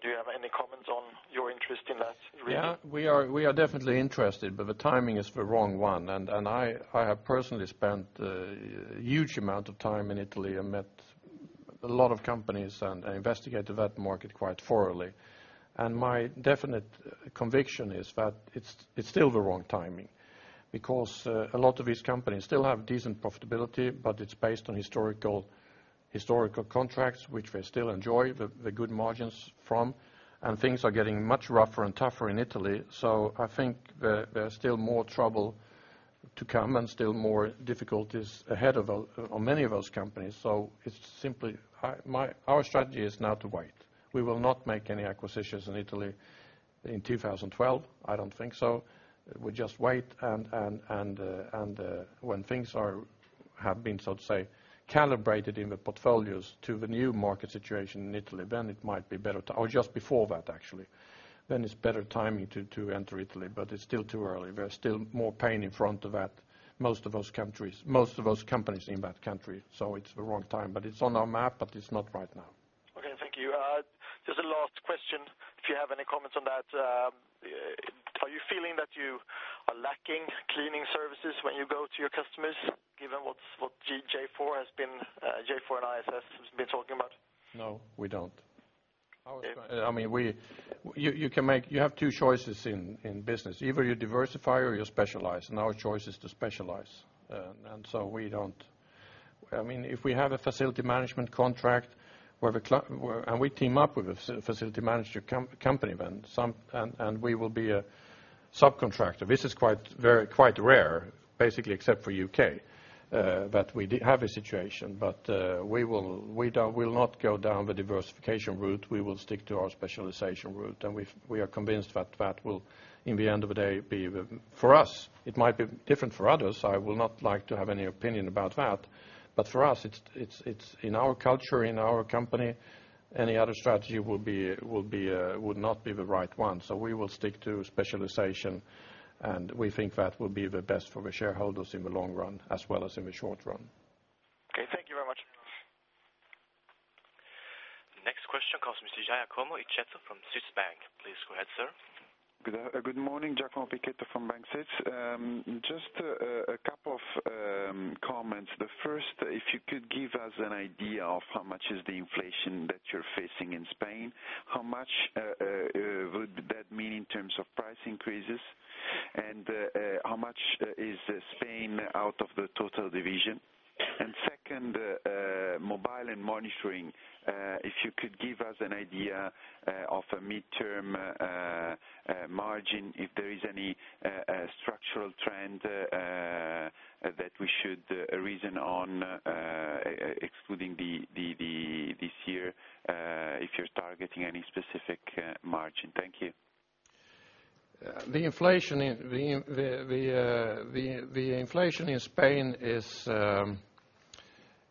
Do you have any comments on your interest in that region? Yes, we are definitely interested, but the timing is the wrong one, and I have personally spent a huge amount of time in Italy and met a lot of companies and investigated that market quite thoroughly, and my definite conviction is that it is still the wrong timing because a lot of these companies still have decent profitability, but it is based on historical contracts, which they still enjoy, the good margins from, and things are getting much rougher and tougher in Italy, so I think there is still more trouble to come and still more difficulties ahead of many of those companies, so it is simply, our strategy is now to wait. We will not make any acquisitions in Italy in 2012, I don't think so. We just wait, and when things have been, so to say, calibrated in the portfolios to the new market situation in Italy, then it might be better to, or just before that actually, then it is better timing to enter Italy, but it is still too early. There is still more pain in front of that, most of those countries, most of those companies in that country, so it is the wrong time, but it is on our map, but it is not right now. Okay, thank you. Just a last question, if you have any comments on that. Are you feeling that you are lacking cleaning services when you go to your customers, given what G4S has been, G4S and ISS have been talking about? No, we don't. I mean, you can make, you have two choices in business. Either you diversify or you specialize, and our choice is to specialize, and so we don't. I mean, if we have a facility management contract where the, and we team up with a facility manager company then, and we will be a subcontractor. This is quite rare, basically except for UK, that we have a situation, but we will not go down the diversification route. We will stick to our specialization route, and we are convinced that that will, in the end of the day, be the, for us, it might be different for others. I will not like to have any opinion about that, but for us, it is in our culture, in our company, any other strategy will not be the right one, so we will stick to specialization, and we think that will be the best for the shareholders in the long run as well as in the short run. Okay, thank you very much. Next question comes from Giacomo Picchetto from Banque Syz. Please go ahead, sir. Good morning, Giacomo Picchetto from Banque Syz. Just a couple of comments. The first, if you could give us an idea of how much is the inflation that you are facing in Spain, how much would that mean in terms of price increases, and how much is Spain out of the total division? And second, Mobile and Monitoring, if you could give us an idea of a mid-term margin, if there is any structural trend that we should reason on, excluding this year, if you are targeting any specific margin. Thank you. The inflation in Spain is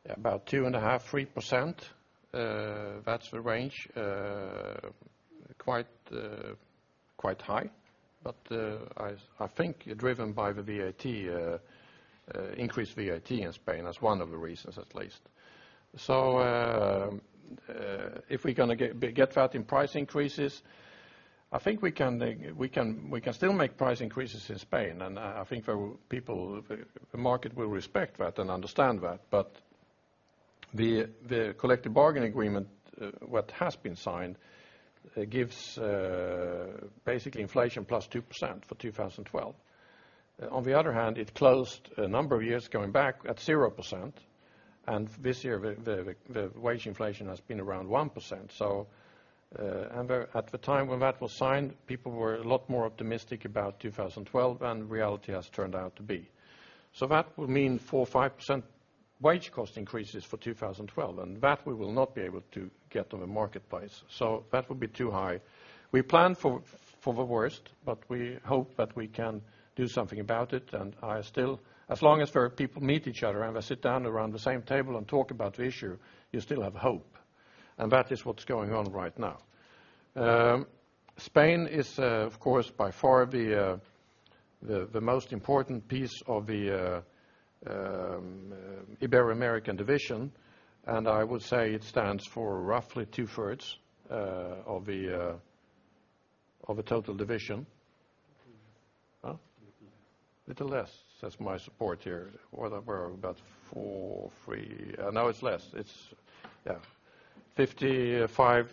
about 2.5%-3%, that is the range, quite high, but I think driven by the VAT, increased VAT in Spain as one of the reasons at least. So if we are going to get that in price increases, I think we can still make price increases in Spain, and I think people, the market will respect that and understand that, but the collective bargaining agreement that has been signed gives basically inflation plus 2% for 2012. On the other hand, it closed a number of years going back at 0%, and this year the wage inflation has been around 1%, so, and at the time when that was signed, people were a lot more optimistic about 2012 than reality has turned out to be. So that will mean 4%-5% wage cost increases for 2012, and that we will not be able to get on the marketplace, so that will be too high. We plan for the worst, but we hope that we can do something about it, and I still, as long as where people meet each other and they sit down around the same table and talk about the issue, you still have hope, and that is what is going on right now. Spain is, of course, by far the most important piece of the Ibero-American division, and I would say it stands for roughly two-thirds of the total division. A little less, that is my support here, we are about 4%, 3%; now it is less, it is, yeah, 55%-60%,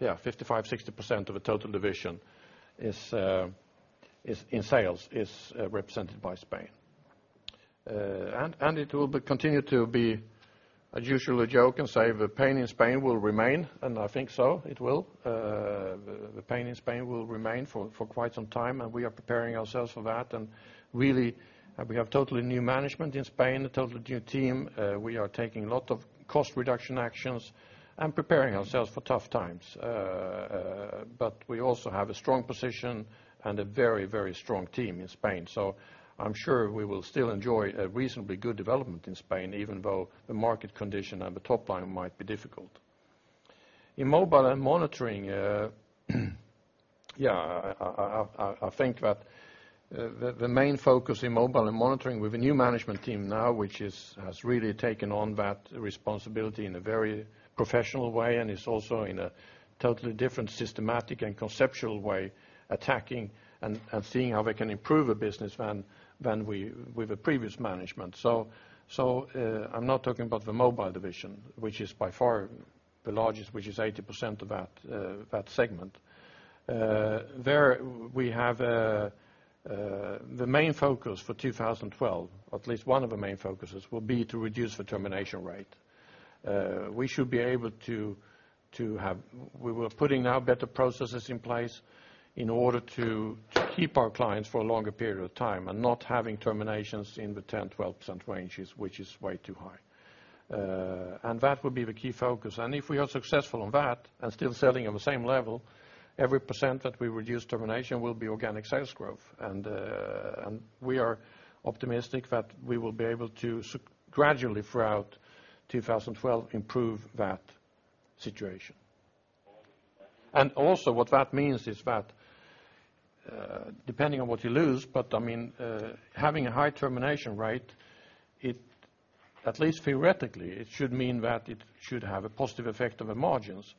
yeah, 55%-60% of the total division in sales is represented by Spain, and it will continue to be, as usual, a joke and say the pain in Spain will remain, and I think so it will. The pain in Spain will remain for quite some time, and we are preparing ourselves for that, and really, we have totally new management in Spain, a totally new team. We are taking a lot of cost reduction actions and preparing ourselves for tough times, but we also have a strong position and a very, very strong team in Spain, so I am sure we will still enjoy a reasonably good development in Spain even though the market condition and the top line might be difficult. In mobile and monitoring, yeah, I think that the main focus in mobile and monitoring with a new management team now, which has really taken on that responsibility in a very professional way, and is also in a totally different systematic and conceptual way attacking and seeing how they can improve a business than with the previous management. So I am not talking about the mobile division, which is by far the largest, which is 80% of that segment. There, we have the main focus for 2012, at least one of the main focuses, will be to reduce the termination rate. We should be able to have, we were putting now better processes in place in order to keep our clients for a longer period of time and not having terminations in the 10%-12% range, which is way too high, and that will be the key focus, and if we are successful on that and still selling at the same level, every percent that we reduce termination will be organic sales growth, and we are optimistic that we will be able to gradually throughout 2012 improve that situation. And also, what that means is that depending on what you lose, but I mean, having a high termination rate, at least theoretically, it should mean that it should have a positive effect on the margins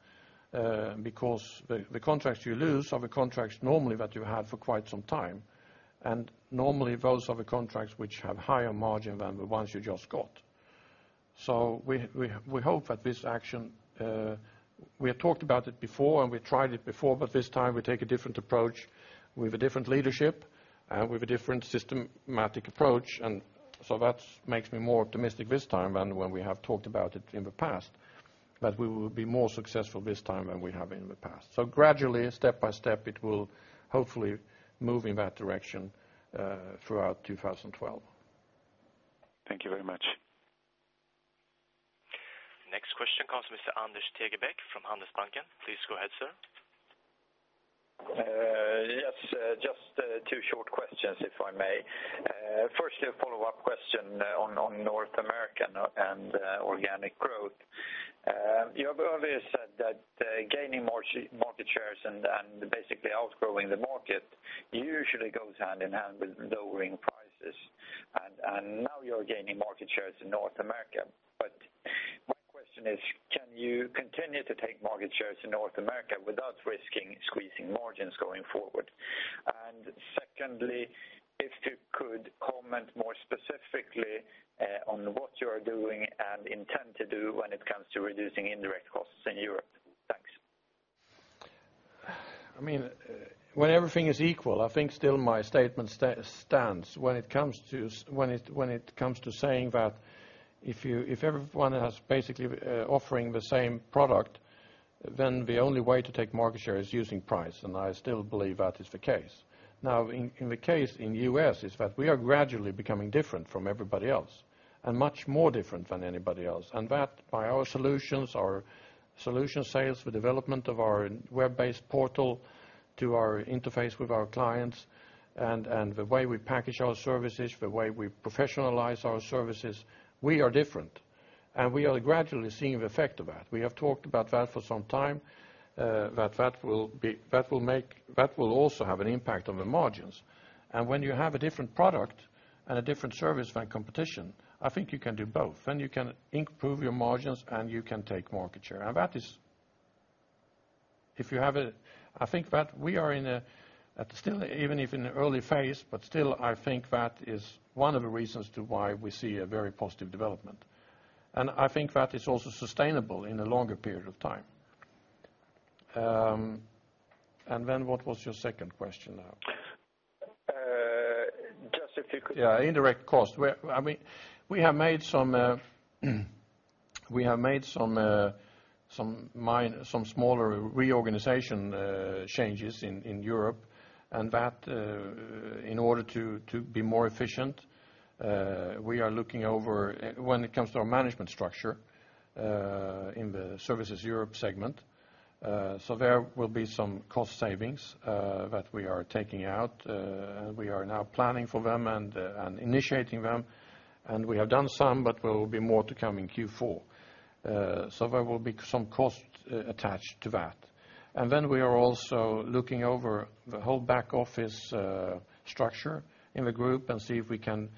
because the contracts you lose are the contracts normally that you have had for quite some time, and normally those are the contracts which have higher margin than the ones you just got. So we hope that this action, we have talked about it before and we have tried it before, but this time we take a different approach with a different leadership and with a different systematic approach, and so that makes me more optimistic this time than when we have talked about it in the past, that we will be more successful this time than we have in the past. Gradually, step by step, it will hopefully move in that direction throughout 2012. Thank you very much. Next question comes from Mr. Anders Tegebäck from Handelsbanken. Please go ahead, sir. Yes, just two short questions if I may. Firstly, a follow-up question on North America and organic growth. You have already said that gaining market shares and basically outgrowing the market usually goes hand in hand with lowering prices, and now you are gaining market shares in North America, but my question is, can you continue to take market shares in North America without risking squeezing margins going forward? And secondly, if you could comment more specifically on what you are doing and intend to do when it comes to reducing indirect costs in Europe. Thanks. I mean, when everything is equal, I think still my statement stands when it comes to saying that if everyone is basically offering the same product, then the only way to take market share is using price, and I still believe that is the case. Now, in the case in the US is that we are gradually becoming different from everybody else and much more different than anybody else, and that by our solutions, our solution sales, the development of our web-based portal to our interface with our clients, and the way we package our services, the way we professionalize our services, we are different, and we are gradually seeing the effect of that. We have talked about that for some time, that that will also have an impact on the margins, and when you have a different product and a different service than competition, I think you can do both, and you can improve your margins and you can take market share, and that is, if you have a, I think that we are in a, even if in an early phase, but still I think that is one of the reasons to why we see a very positive development, and I think that is also sustainable in a longer period of time. And then what was your second question now? Just if you could. Yeah, indirect cost. I mean, we have made some smaller reorganization changes in Europe, and that in order to be more efficient, we are looking over, when it comes to our management structure in the Security Services Europe segment, so there will be some cost savings that we are taking out, and we are now planning for them and initiating them, and we have done some, but there will be more to come in Q4, so there will be some cost attached to that. Then we are also looking over the whole back office structure in the group and see if we can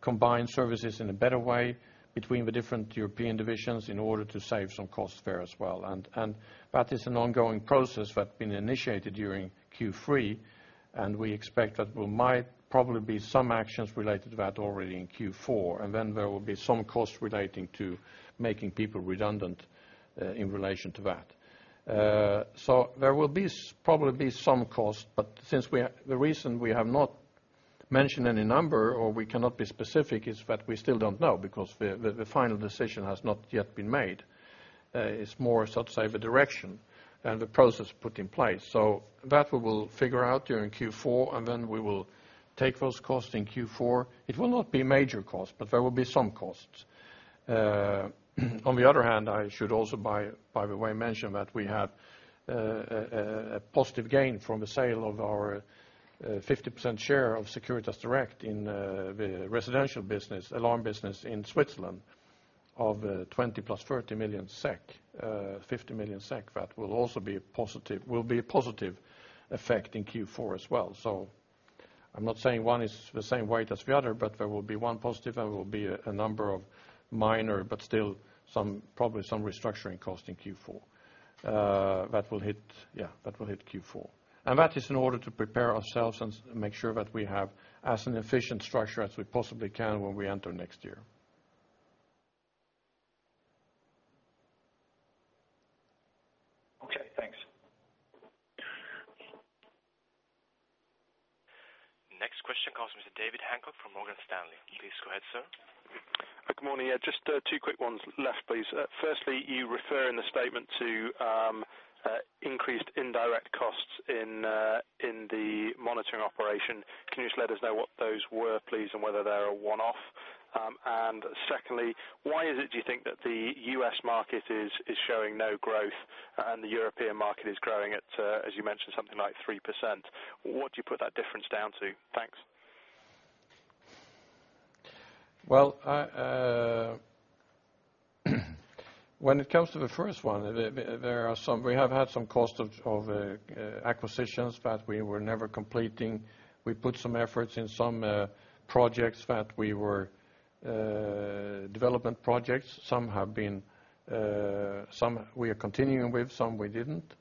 combine services in a better way between the different European divisions in order to save some costs there as well, and that is an ongoing process that has been initiated during Q3, and we expect that there might probably be some actions related to that already in Q4, and then there will be some costs relating to making people redundant in relation to that. So there will probably be some costs, but since we, the reason we have not mentioned any number or we cannot be specific is that we still don't know because the final decision has not yet been made. It is more, so to say, the direction and the process put in place, so that we will figure out during Q4, and then we will take those costs in Q4. It will not be major costs, but there will be some costs. On the other hand, I should also, by the way, mention that we have a positive gain from the sale of our 50% share of Securitas Direct in the residential business, alarm business in Switzerland of SEK 20+30 million, 50 million SEK that will also be a positive, will be a positive effect in Q4 as well. So I am not saying one is the same weight as the other, but there will be one positive and there will be a number of minor, but still probably some restructuring costs in Q4 that will hit, yeah, that will hit Q4, and that is in order to prepare ourselves and make sure that we have as an efficient structure as we possibly can when we enter next year. Okay, thanks. Next question comes from Mr. David Hancock from Morgan Stanley. Please go ahead, sir. Good morning. Yeah, just two quick ones left, please. Firstly, you refer in the statement to increased indirect costs in the monitoring operation. Can you just let us know what those were, please, and whether they are one-off? Secondly, why is it do you think that the U.S. market is showing no growth and the European market is growing at, as you mentioned, something like 3%? What do you put that difference down to? Thanks. Well, when it comes to the first one, there are some, we have had some cost of acquisitions that we were never completing. We put some efforts in some projects that we were, development projects, some have been, some we are continuing with, some we didn't,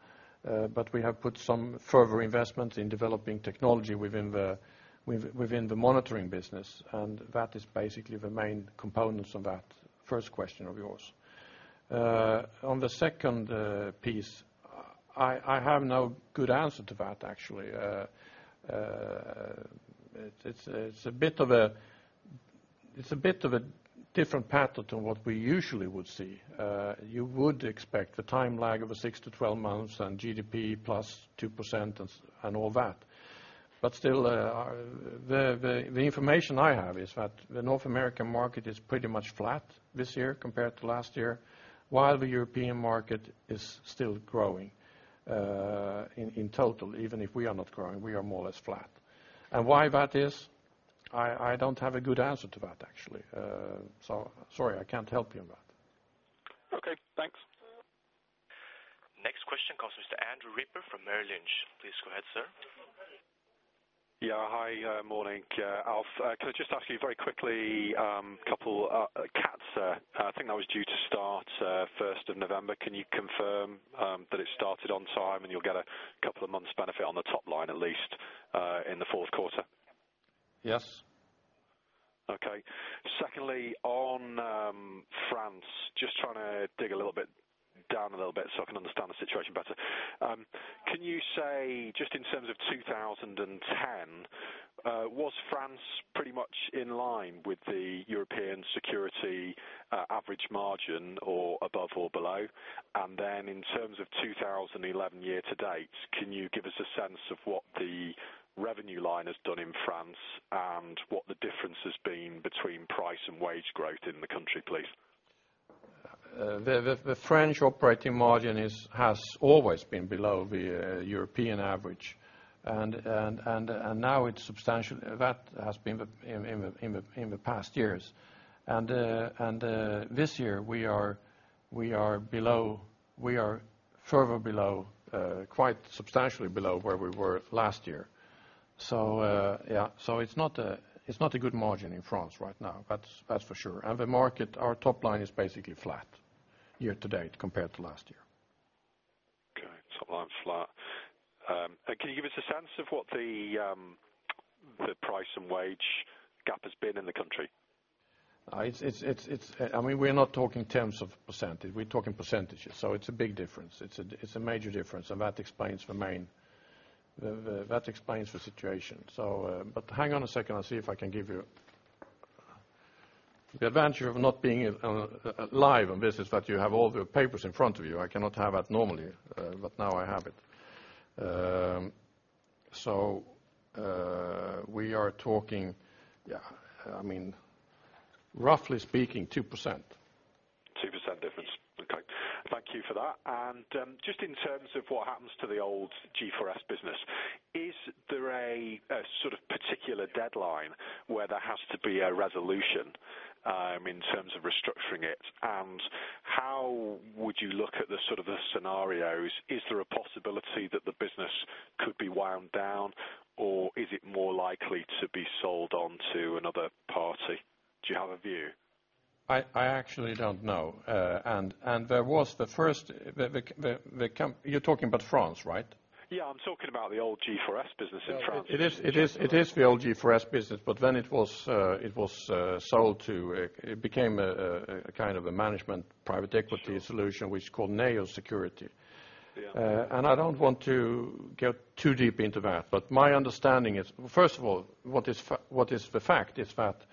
but we have put some further investments in developing technology within the monitoring business, and that is basically the main components of that first question of yours. On the second piece, I have no good answer to that actually. It is a bit of a, it is a bit of a different pattern to what we usually would see. You would expect the time lag of a 6-12 months and GDP plus 2% and all that, but still the information I have is that the North American market is pretty much flat this year compared to last year, while the European market is still growing in total, even if we are not growing, we are more or less flat. And why that is, I don't have a good answer to that actually, so sorry, I can't help you on that. Okay, thanks. Next question comes from Mr. Andrew Ripper from Merrill Lynch. Please go ahead, sir. Yeah, hi, morning, Alf. Can I just ask you very quickly a couple of CATSA? I think that was due to start 1st of November. Can you confirm that it started on time and you will get a couple of months' benefit on the top line at least in the fourth quarter? Yes. Okay. Secondly, on France, just trying to dig a little bit down a little bit so I can understand the situation better. Can you say, just in terms of 2010, was France pretty much in line with the European security average margin or above or below? And then in terms of 2011 year to date, can you give us a sense of what the revenue line has done in France and what the difference has been between price and wage growth in the country, please? The French operating margin has always been below the European average, and now it is substantially, that has been in the past years, and this year we are below, we are further below, quite substantially below where we were last year, so yeah, so it is not a good margin in France right now, that is for sure, and the market, our top line is basically flat year to date compared to last year. Okay, top line flat. Can you give us a sense of what the price and wage gap has been in the country? I mean, we are not talking terms of percentage, we are talking percentages, so it is a big difference. It is a major difference, and that explains the main, that explains the situation, so, but hang on a second, I will see if I can give you the advantage of not being live on this is that you have all the papers in front of you. I cannot have that normally, but now I have it, so we are talking, yeah, I mean, roughly speaking, 2%. 2% difference. Okay. Thank you for that. And just in terms of what happens to the old G4S business, is there a sort of particular deadline where there has to be a resolution in terms of restructuring it? And how would you look at the sort of the scenarios? Is there a possibility that the business could be wound down or is it more likely to be sold onto another party? Do you have a view? I actually don't know, and there was the first, you are talking about France, right? Yeah, I am talking about the old G4S business in France. It is the old G4S business, but then it was sold to, it became a kind of a management private equity solution which is called Neo Sécurité, and I don't want to get too deep into that, but my understanding is, first of all, what is the fact is that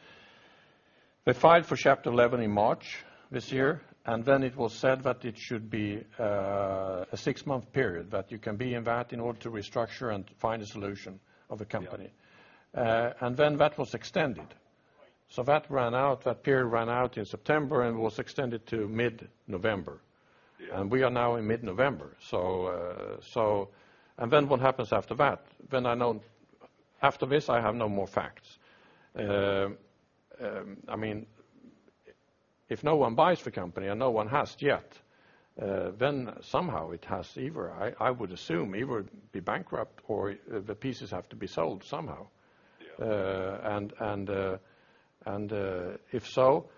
they filed for Chapter 11 in March this year, and then it was said that it should be a six-month period that you can be in that in order to restructure and find a solution of a company, and then that was extended, so that ran out, that period ran out in September and was extended to mid-November, and we are now in mid-November, so, and then what happens after that? Then I know, after this I have no more facts. I mean, if no one buys the company and no one has yet, then somehow it has either, I would assume, either it would be bankrupt or the pieces have to be sold somehow, and if so,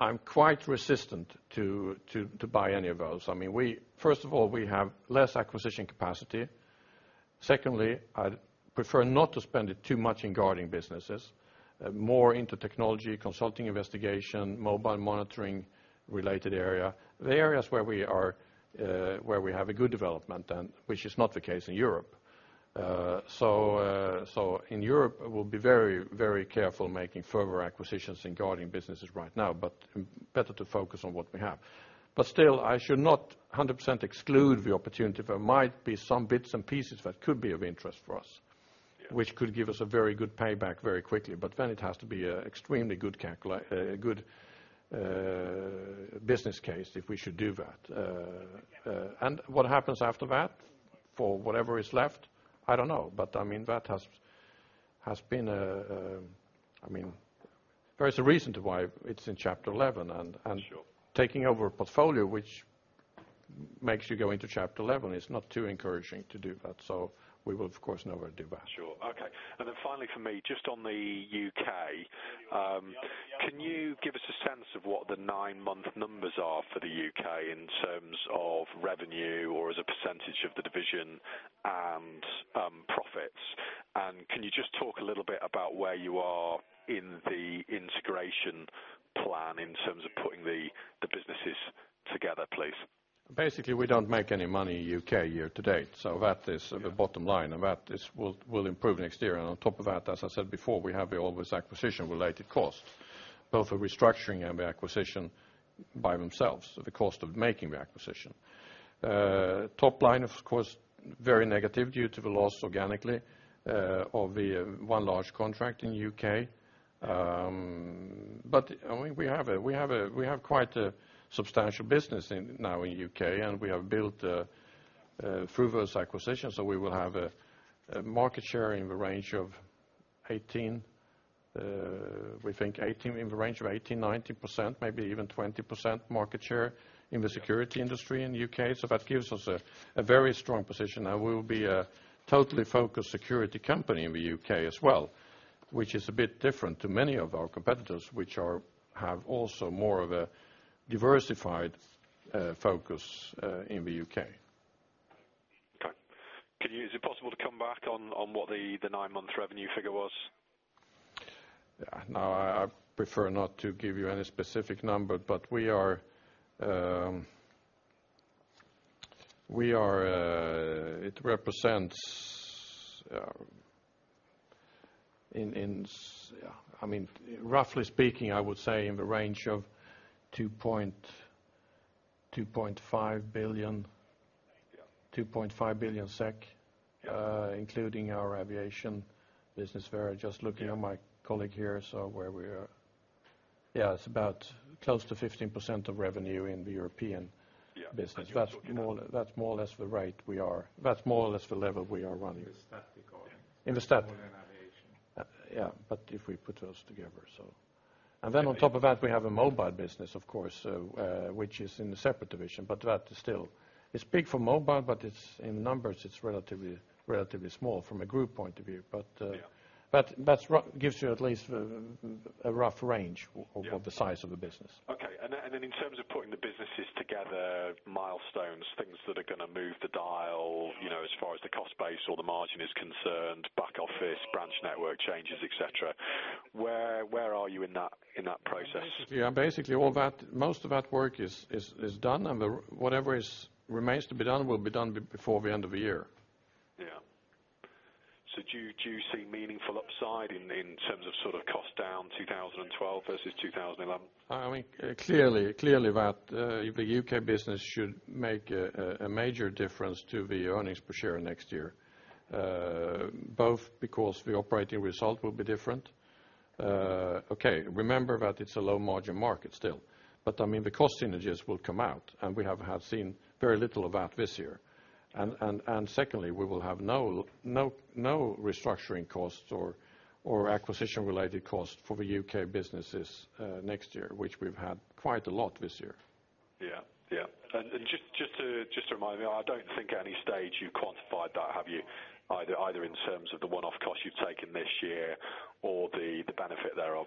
I am quite resistant to buy any of those. I mean, we, first of all, we have less acquisition capacity. Secondly, I prefer not to spend it too much in guarding businesses, more into technology, consulting, investigation, mobile monitoring related area, the areas where we are, where we have a good development then, which is not the case in Europe. So in Europe, we will be very, very careful making further acquisitions in guarding businesses right now, but better to focus on what we have. But still, I should not 100% exclude the opportunity that there might be some bits and pieces that could be of interest for us, which could give us a very good payback very quickly, but then it has to be an extremely good business case if we should do that. And what happens after that for whatever is left? I don't know, but I mean, that has been, I mean, there is a reason to why it is in Chapter 11, and taking over a portfolio which makes you go into Chapter 11 is not too encouraging to do that, so we will, of course, never do that. Sure. Okay. And then finally for me, just on the U.K., can you give us a sense of what the nine-month numbers are for the U.K. in terms of revenue or as a percentage of the division and profits? Can you just talk a little bit about where you are in the integration plan in terms of putting the businesses together, please? Basically, we don't make any money in the U.K. year to date, so that is the bottom line, and that will improve next year, and on top of that, as I said before, we have all those acquisition-related costs, both the restructuring and the acquisition by themselves, the cost of making the acquisition. Top line, of course, very negative due to the loss organically of one large contract in the UK, but I mean, we have a, we have quite a substantial business now in the UK, and we have built through those acquisitions, so we will have a market share in the range of 18, we think 18, in the range of 18-19%, maybe even 20% market share in the security industry in the UK, so that gives us a very strong position, and we will be a totally focused security company in the UK as well, which is a bit different to many of our competitors which have also more of a diversified focus in the UK. Okay. Is it possible to come back on what the nine-month revenue figure was? Yeah, no, I prefer not to give you any specific number, but we are, it represents, yeah, yeah, I mean, roughly speaking, I would say in the range of 2.5 billion, 2.5 billion SEK, including our aviation business there, just looking at my colleague here, so where we are, yeah, it is about close to 15% of revenue in the European business, that is more or less the rate we are, that is more or less the level we are running. In the static or in aviation? Yeah, but if we put those together, so, and then on top of that, we have a mobile business, of course, which is in a separate division, but that is still, it is big for mobile, but it is in numbers, it is relatively small from a group point of view, but that gives you at least a rough range of the size of the business. Okay. And then in terms of putting the businesses together, milestones, things that are going to move the dial, you know, as far as the cost base or the margin is concerned, back office, branch network changes, etc., where are you in that process? Yeah, basically, all that, most of that work is done, and whatever remains to be done will be done before the end of the year. Yeah. So do you see meaningful upside in terms of sort of cost down 2012 versus 2011? I mean, clearly, clearly that the UK business should make a major difference to the earnings per share next year, both because the operating result will be different. Okay, remember that it is a low-margin market still, but I mean, the cost synergies will come out, and we have seen very little of that this year, and secondly, we will have no restructuring costs or acquisition-related costs for the UK businesses next year, which we have had quite a lot this year. Yeah, And just to remind me, I don't think at any stage you quantified that, have you? Either in terms of the one-off cost you have taken this year or the benefit thereof?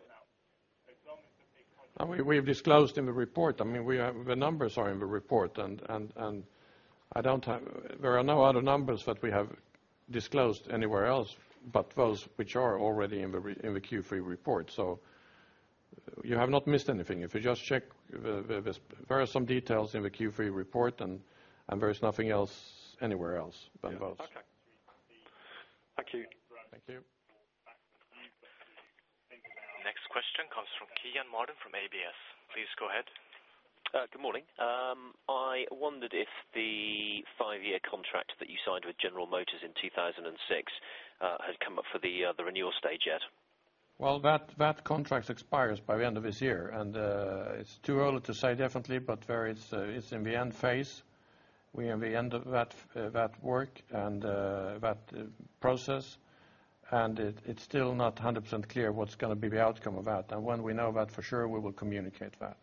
We have disclosed in the report. I mean, the numbers are in the report, and I don't have, there are no other numbers that we have disclosed anywhere else but those which are already in the Q3 report, so you have not missed anything. If you just check, there are some details in the Q3 report and there is nothing else anywhere else than those. Yeah. Okay. Thank you. Thank you. Next question comes from Kean Marden from RBS. Please go ahead. Good morning. I wondered if the five-year contract that you signed with General Motors in 2006 had come up for the renewal stage yet? Well, that contract expires by the end of this year, and it is too early to say definitely, but where it is in the end phase, we are in the end of that work and that process, and it is still not 100% clear what is going to be the outcome of that, and when we know that for sure, we will communicate that.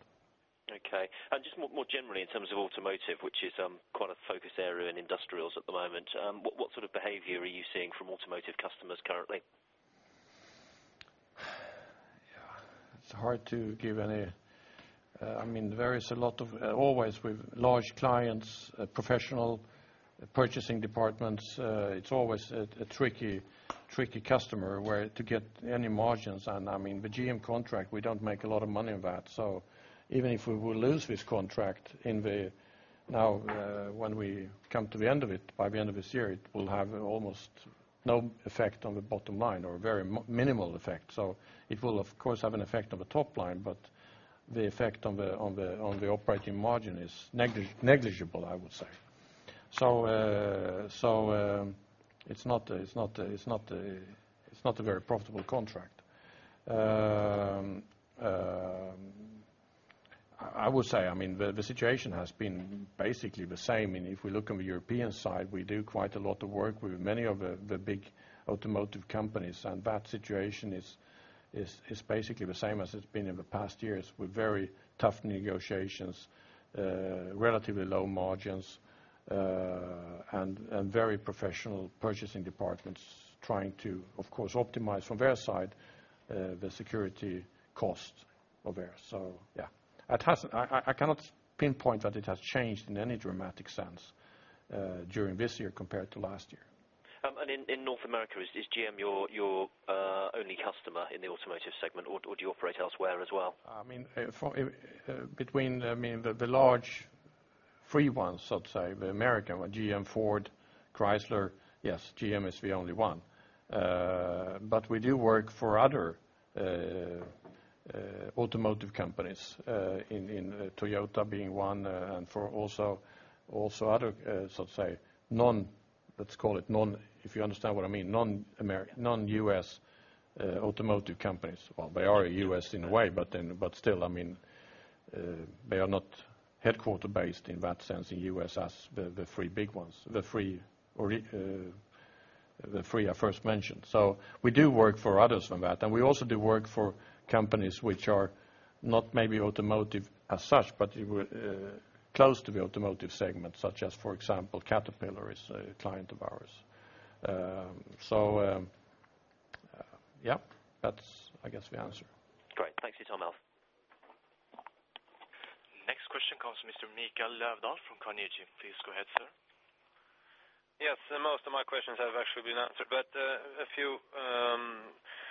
Okay. And just more generally in terms of automotive, which is quite a focus area in industrials at the moment, what sort of behaviour are you seeing from automotive customers currently? Yeah, it is hard to give any. I mean, there is a lot of, always with large clients, professional purchasing departments. It is always a tricky customer where to get any margins. And I mean, the GM contract, we don't make a lot of money on that, so even if we will lose this contract in the, now when we come to the end of it, by the end of this year, it will have almost no effect on the bottom line or very minimal effect. So it will, of course, have an effect on the top line, but the effect on the operating margin is negligible, I would say. So it is not a very profitable contract. I would say, I mean, the situation has been basically the same. I mean, if we look on the European side, we do quite a lot of work with many of the big automotive companies, and that situation is basically the same as it has been in the past years with very tough negotiations, relatively low margins, and very professional purchasing departments trying to, of course, optimize from their side the security costs of theirs, so yeah, I cannot pinpoint that it has changed in any dramatic sense during this year compared to last year. In North America, is GM your only customer in the automotive segment, or do you operate elsewhere as well? I mean, between, I mean, the large free ones, so to say, the American one, GM, Ford, Chrysler, yes, GM is the only one, but we do work for other automotive companies, Toyota being one, and for also other, so to say, non, let us call it non, if you understand what I mean, non-US automotive companies. Well, they are US in a way, but still, I mean, they are not headquarter-based in that sense in US as the three big ones, the three I first mentioned, so we do work for others from that, and we also do work for companies which are not maybe automotive as such, but close to the automotive segment, such as, for example, Caterpillar is a client of ours, so yeah, that is, I guess, the answer. Great. Thank you so much. Next question comes from Mr. Mikael Löfdahl from Carnegie. Please go ahead, sir. Yes, most of my questions have actually been answered, but a few follow-ups.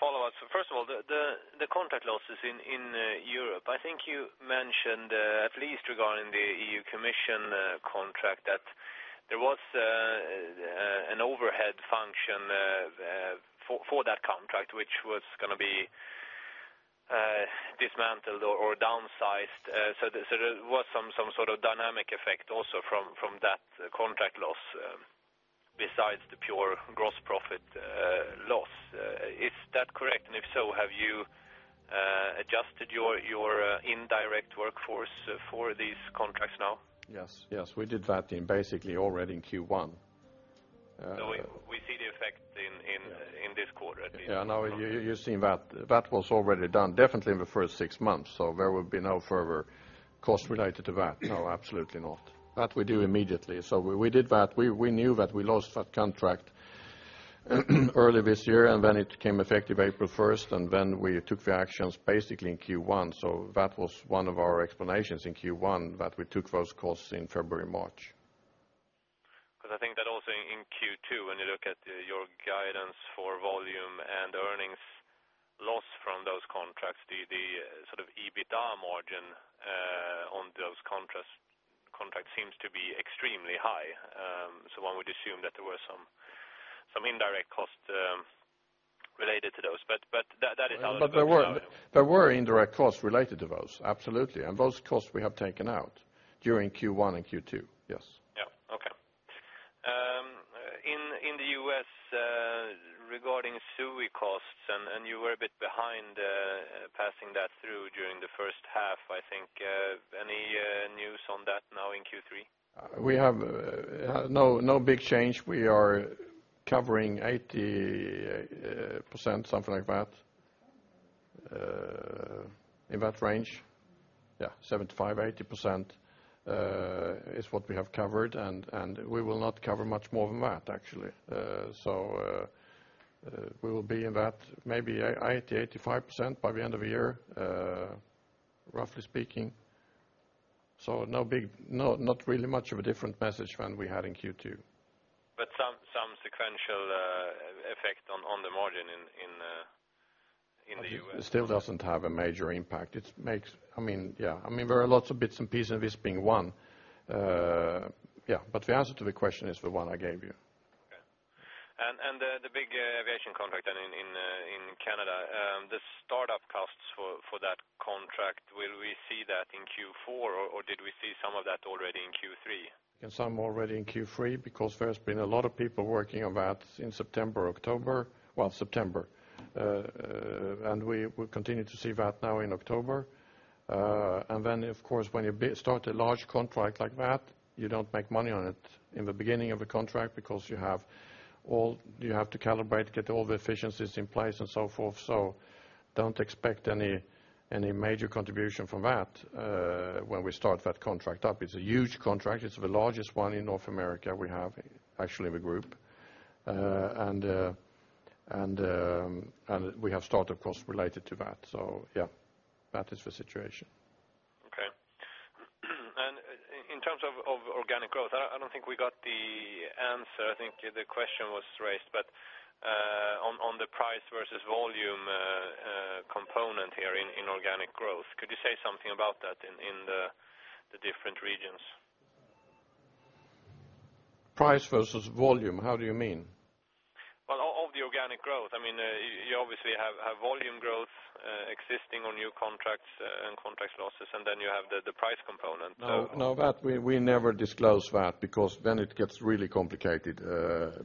First of all, the contract losses in Europe, I think you mentioned, at least regarding the EU Commission contract, that there was an overhead function for that contract which was going to be dismantled or downsized, so there was some sort of dynamic effect also from that contract loss besides the pure gross profit loss. Is that correct? And if so, have you adjusted your indirect workforce for these contracts now? Yes, we did that in basically already in Q1. So we see the effect in this quarter at least? Yeah, now you have seen that. That was already done, definitely in the first six months, so there will be no further cost related to that, no, absolutely not. That we do immediately, so we did that. We knew that we lost that contract early this year, and then it came effective April 1st, and then we took the actions basically in Q1, so that was one of our explanations in Q1, that we took those costs in February, March. Because I think that also in Q2, when you look at your guidance for volume and earnings loss from those contracts, the sort of EBITDA margin on those contracts seems to be extremely high, so one would assume that there were some indirect costs related to those, but that is how it looked at that. But there were indirect costs related to those, absolutely, and those costs we have taken out during Q1 and Q2, yes. Yeah. Okay. In the U.S., regarding SUI costs, and you were a bit behind passing that through during the first half, I think, any news on that now in Q3? We have no big change. We are covering 80%, something like that, in that range, yeah, 75%-80% is what we have covered, and we will not cover much more than that, actually, so we will be in that, maybe 80%-85% by the end of the year, roughly speaking, so no big, not really much of a different message than we had in Q2. But some sequential effect on the margin in the U.S.? It still doesn't have a major impact. It makes, I mean, yeah, I mean, there are lots of bits and pieces of this being one, yeah, but the answer to the question is the one I gave you. Okay. And the big aviation contract then in Canada, the startup costs for that contract, will we see that in Q4, or did we see some of that already in Q3? And some already in Q3 because there has been a lot of people working on that in September, October, well, September, and we will continue to see that now in October, and then, of course, when you start a large contract like that, you don't make money on it in the beginning of the contract because you have to calibrate, get all the efficiencies in place, and so forth, so don't expect any major contribution from that when we start that contract up. It is a huge contract. It is the largest one in North America we have, actually, in the group, and we have startup costs related to that, so yeah, that is the situation. Okay. And in terms of organic growth, I don't think we got the answer. I think the question was raised, but on the price versus volume component here in organic growth, could you say something about that in the different regions? Price versus volume, how do you mean? Well, of the organic growth. I mean, you obviously have volume growth existing on new contracts and contract losses, and then you have the price component, so. No, that we never disclose that because then it gets really complicated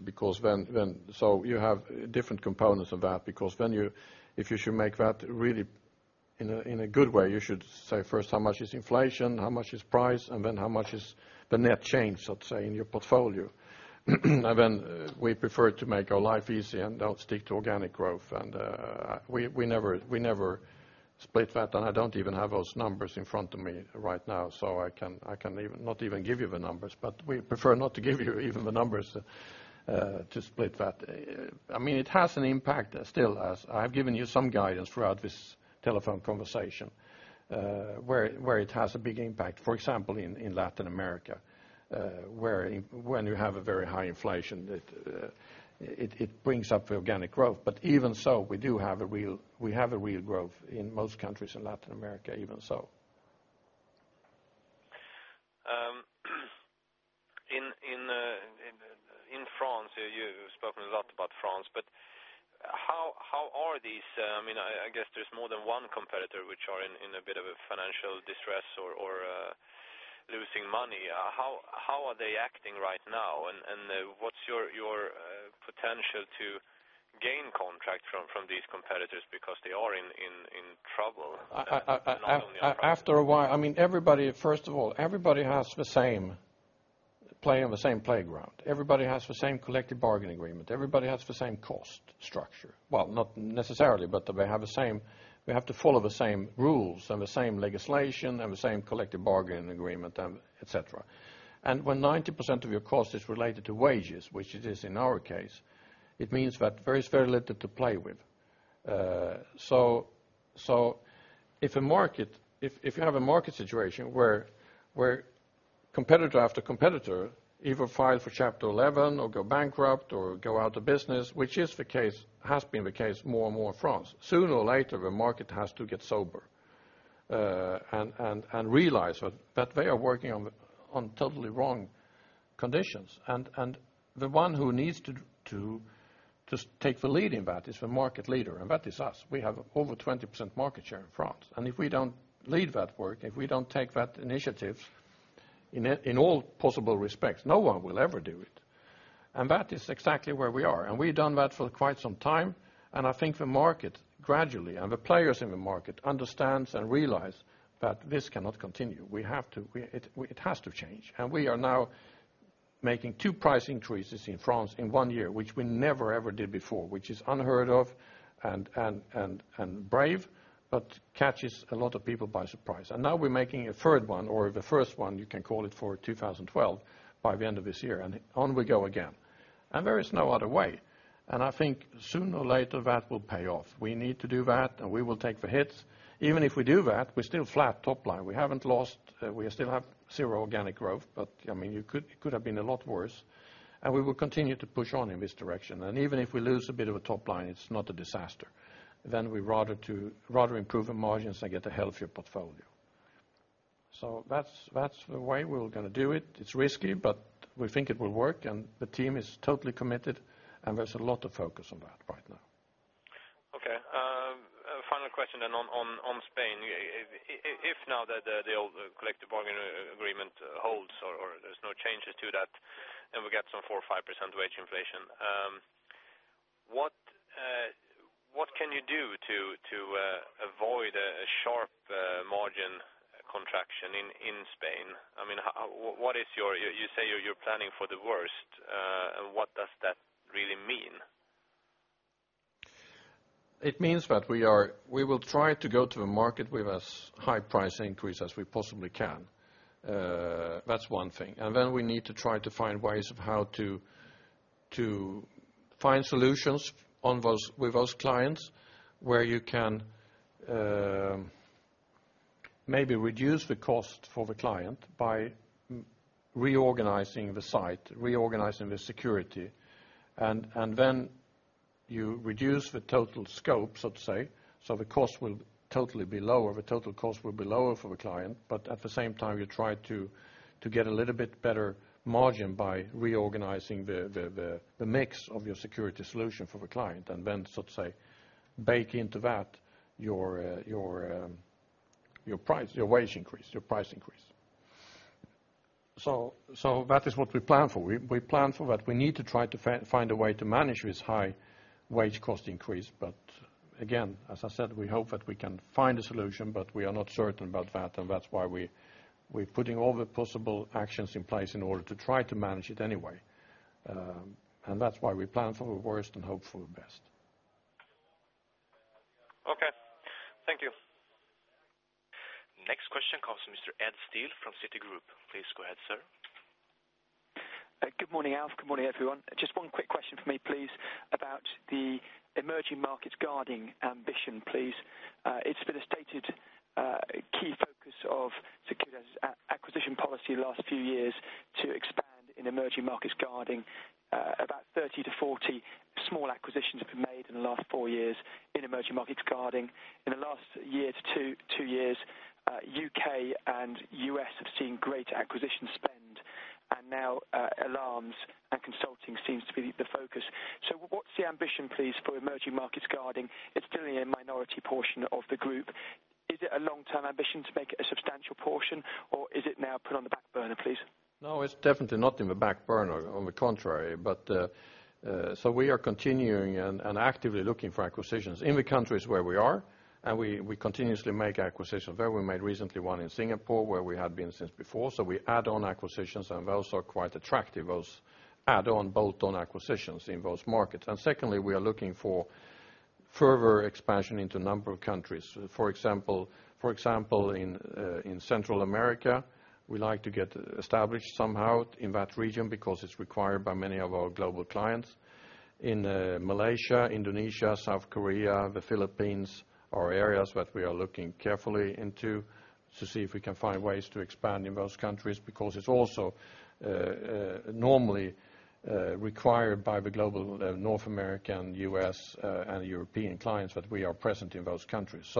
because then, so you have different components of that because then you, if you should make that really in a good way, you should say first how much is inflation, how much is price, and then how much is the net change, so to say, in your portfolio, and then we prefer to make our life easy and don't stick to organic growth, and we never split that, and I don't even have those numbers in front of me right now, so I can not even give you the numbers, but we prefer not to give you even the numbers to split that. I mean, it has an impact still as I have given you some guidance throughout this telephone conversation where it has a big impact, for example, in Latin America where when you have a very high inflation, it brings up organic growth, but even so, we do have a real growth in most countries in Latin America, even so. In France, you have spoken a lot about France, but how are these, I mean, I guess there is more than one competitor which are in a bit of a financial distress or losing money. How are they acting right now, and what is your potential to gain contracts from these competitors because they are in trouble and not only on France? After a while, I mean, everybody, first of all, everybody has the same play on the same playground. Everybody has the same collective bargaining agreement. Everybody has the same cost structure. Well, not necessarily, but they have the same, we have to follow the same rules and the same legislation and the same collective bargaining agreement, etc., and when 90% of your cost is related to wages, which it is in our case, it means that there is very little to play with, so if a market, if you have a market situation where competitor after competitor either file for Chapter 11 or go bankrupt or go out of business, which is the case, has been the case more and more in France, sooner or later, the market has to get sober and realize that they are working on totally wrong conditions, and the one who needs to take the lead in that is the market leader, and that is us. We have over 20% market share in France, and if we don't lead that work, if we don't take that initiative in all possible respects, no one will ever do it, and that is exactly where we are, and we have done that for quite some time, and I think the market gradually and the players in the market understand and realize that this cannot continue. We have to, it has to change, and we are now making 2 price increases in France in one year, which we never, ever did before, which is unheard of and brave, but catches a lot of people by surprise, and now we are making a third one or the first one, you can call it for 2012, by the end of this year, and on we go again, and there is no other way, and I think sooner or later, that will pay off. We need to do that, and we will take the hits. Even if we do that, we still flat top line. We haven't lost, we still have zero organic growth, but I mean, it could have been a lot worse, and we will continue to push on in this direction, and even if we lose a bit of a top line, it is not a disaster. Then we would rather improve our margins and get a healthier portfolio, so that is the way we are going to do it. It is risky, but we think it will work, and the team is totally committed, and there is a lot of focus on that right now. Okay. Final question then on Spain. If now that the old collective bargaining agreement holds or there is no changes to that, and we get some 4%-5% wage inflation, what can you do to avoid a sharp margin contraction in Spain? I mean, what is your, you say you are planning for the worst, and what does that really mean? It means that we will try to go to a market with as high price increase as we possibly can. That is one thing, and then we need to try to find ways of how to find solutions with those clients where you can maybe reduce the cost for the client by reorganizing the site, reorganizing the security, and then you reduce the total scope, so to say, so the cost will totally be lower. The total cost will be lower for the client, but at the same time, you try to get a little bit better margin by reorganizing the mix of your security solution for the client, and then, so to say, bake into that your wage increase, your price increase. So that is what we plan for. We plan for that. We need to try to find a way to manage this high wage cost increase, but again, as I said, we hope that we can find a solution, but we are not certain about that, and that is why we are putting all the possible actions in place in order to try to manage it anyway, and that is why we plan for the worst and hope for the best. Okay. Thank you. Next question comes from Mr. Ed Steele from Citigroup. Please go ahead, sir. Good morning, Alf. Good morning, everyone. Just one quick question for me, please, about the emerging markets guarding ambition, please. It has been a stated key focus of Securitas's acquisition policy the last few years to expand in emerging markets guarding. About 30-40 small acquisitions have been made in the last four years in emerging markets guarding. In the last year to two years, UK and US have seen great acquisition spend, and now alarms and consulting seems to be the focus. So what is the ambition, please, for emerging markets guarding? It is still in a minority portion of the group. Is it a long-term ambition to make a substantial portion, or is it now put on the back burner, please? No, it is definitely not in the back burner, on the contrary, but so we are continuing and actively looking for acquisitions in the countries where we are, and we continuously make acquisitions. There, we made recently one in Singapore where we had been since before, so we add on acquisitions, and those are quite attractive, those add-on, bolt-on acquisitions in those markets, and secondly, we are looking for further expansion into a number of countries. For example, in Central America, we like to get established somehow in that region because it is required by many of our global clients. In Malaysia, Indonesia, South Korea, the Philippines are areas that we are looking carefully into to see if we can find ways to expand in those countries because it is also normally required by the global North American, US, and European clients that we are present in those countries,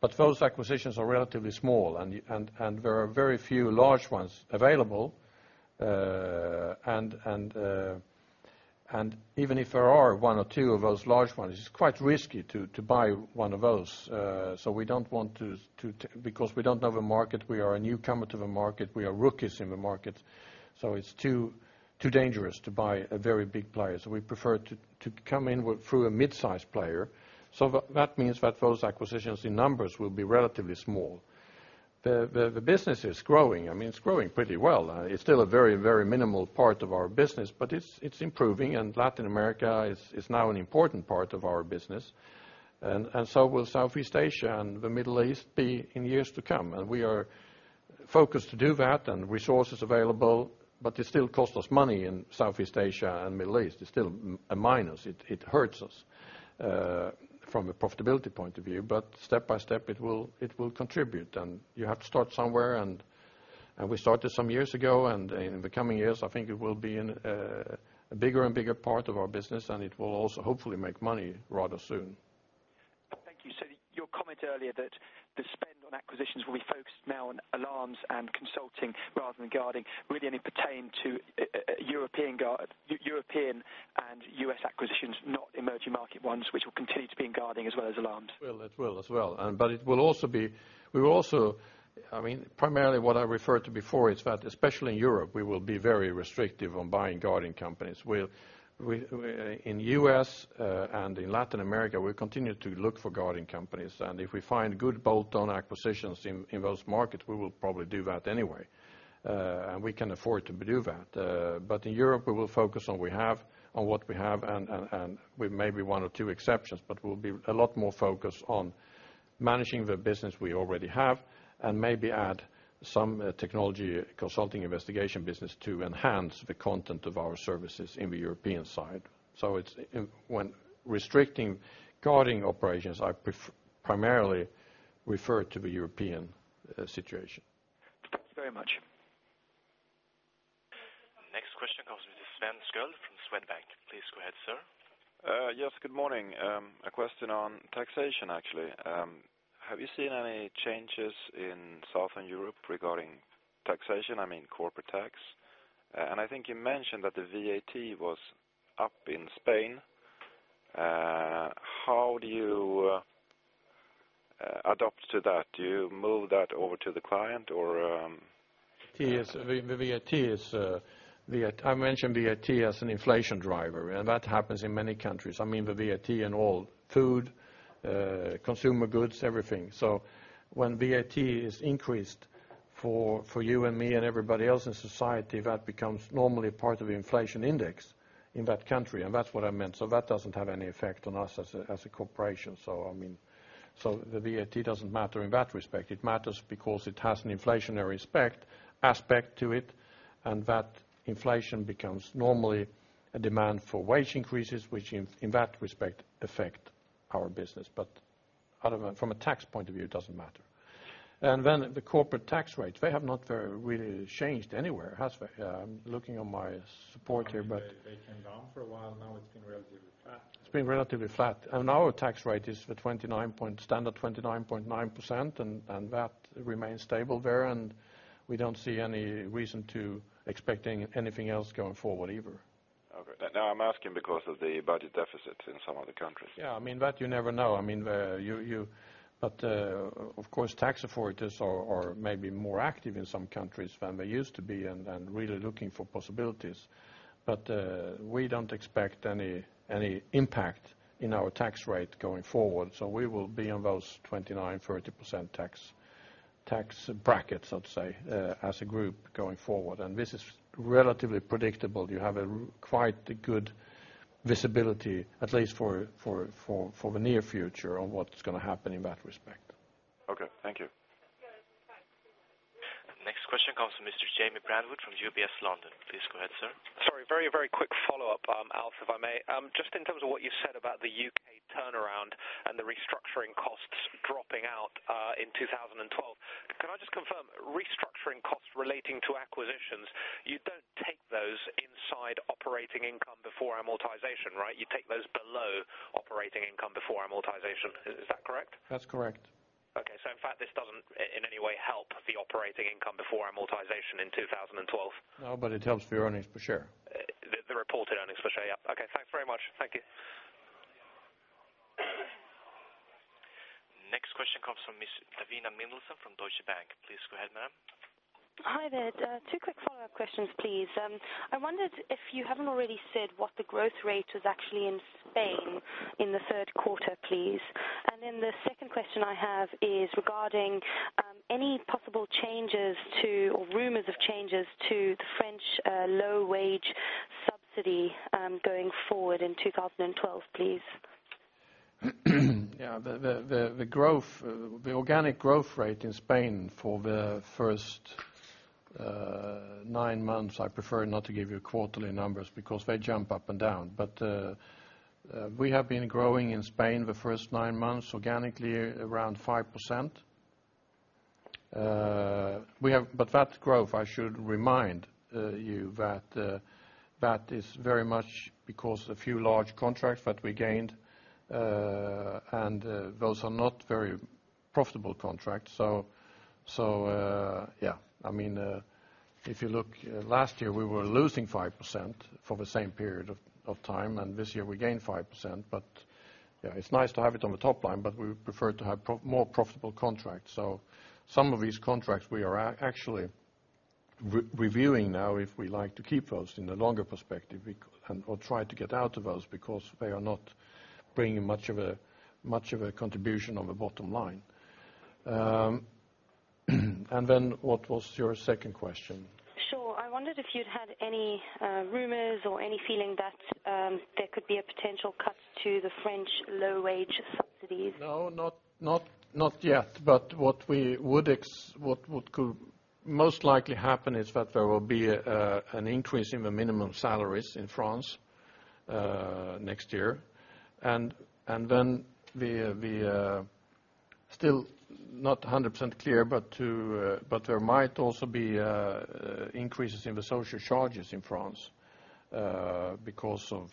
but those acquisitions are relatively small, and there are very few large ones available, and even if there are one or two of those large ones, it is quite risky to buy one of those, so we don't want to because we don't know the market. We are a newcomer to the market. We are rookies in the market, so it is too dangerous to buy a very big player, so we prefer to come in through a mid-sized player, so that means that those acquisitions in numbers will be relatively small. The business is growing. I mean, it is growing pretty well. It is still a very, very minimal part of our business, but it is improving, and Latin America is now an important part of our business, and so will Southeast Asia and the Middle East be in years to come, and we are focused to do that, and resources available, but it still costs us money in Southeast Asia and Middle East. It is still a minus. It hurts us from a profitability point of view, but step by step, it will contribute, and you have to start somewhere, and we started some years ago, and in the coming years, I think it will be a bigger and bigger part of our business, and it will also hopefully make money rather soon. Thank you. So your comment earlier that the spend on acquisitions will be focused now on alarms and consulting rather than guarding, really only pertain to European and US acquisitions, not emerging market ones, which will continue to be in guarding as well as alarms. It will as well, but it will also be, we will also, I mean, primarily what I referred to before is that especially in Europe, we will be very restrictive on buying guarding companies. In US and in Latin America, we will continue to look for guarding companies, and if we find good bolt-on acquisitions in those markets, we will probably do that anyway, and we can afford to do that, but in Europe, we will focus on what we have and with maybe one or two exceptions, but we will be a lot more focused on managing the business we already have and maybe add some technology consulting investigation business to enhance the content of our services in the European side, so when restricting guarding operations, I primarily refer to the European situation. Thanks very much. Next question comes from Mr. Sven Sköld from Swedbank. Please go ahead, sir. Yes, good morning. A question on taxation, actually. Have you seen any changes in Southern Europe regarding taxation? I mean, corporate tax, and I think you mentioned that the VAT was up in Spain. How do you adapt to that? Do you move that over to the client, or? The VAT is, I mentioned VAT as an inflation driver, and that happens in many countries. I mean, the VAT on all food, consumer goods, everything, so when VAT is increased for you and me and everybody else in society, that becomes normally part of the inflation index in that country, and that is what I meant, so that doesn't have any effect on us as a corporation, so I mean, so the VAT doesn't matter in that respect. It matters because it has an inflationary aspect to it, and that inflation becomes normally a demand for wage increases, which in that respect affect our business, but from a tax point of view, it doesn't matter, and then the corporate tax rates, they have not really changed anywhere, have they? I am looking on my support here, but they came down for a while. Now, it has been relatively flat. It has been relatively flat, and our tax rate is the standard 29.9%, and that remains stable there, and we don't see any reason to expect anything else going forward either. Okay. Now, I am asking because of the budget deficit in some of the countries. Yeah, I mean, that you never know. I mean, you, but of course, tax authorities are maybe more active in some countries than they used to be and really looking for possibilities, but we don't expect any impact in our tax rate going forward, so we will be on those 29%-30% tax brackets, so to say, as a group going forward, and this is relatively predictable. You have quite good visibility, at least for the near future, on what is going to happen in that respect. Okay. Thank you. Next question comes from Mr. Jamie Brandwood from UBS London. Please go ahead, sir. Sorry, very, very quick follow-up, Alf, if I may. Just in terms of what you said about the UK turnaround and the restructuring costs dropping out in 2012, can I just confirm? Restructuring costs relating to acquisitions, you don't take those inside operating income before amortization, right? You take those below operating income before amortization. Is that correct? That is correct. Okay. So in fact, this doesn't in any way help the operating income before amortization in 2012? No, but it helps for your earnings per share. The reported earnings per share, yep. Okay. Thanks very much. Thank you. Next question comes from Ms. Davina Mendelsohn from Deutsche Bank. Please go ahead, ma'am. Hi there. Two quick follow-up questions, please. I wondered if you haven't already said what the growth rate was actually in Spain in the third quarter, please, and then the second question I have is regarding any possible changes to or rumours of changes to the French low wage subsidy going forward in 2012, please. Yeah, the organic growth rate in Spain for the first nine months, I prefer not to give you quarterly numbers because they jump up and down, but we have been growing in Spain the first nine months organically around 5%, but that growth, I should remind you that that is very much because of a few large contracts that we gained, and those are not very profitable contracts, so yeah. I mean, if you look last year, we were losing 5% for the same period of time, and this year, we gained 5%, but yeah, it is nice to have it on the top line, but we prefer to have more profitable contracts, so some of these contracts we are actually reviewing now if we like to keep those in the longer perspective or try to get out of those because they are not bringing much of a contribution on the bottom line, and then what was your second question? Sure. I wondered if you had any rumors or any feeling that there could be a potential cut to the French low wage subsidies. No, not yet, but what would most likely happen is that there will be an increase in the minimum salaries in France next year, and then we are still not 100% clear, but there might also be increases in the social charges in France because of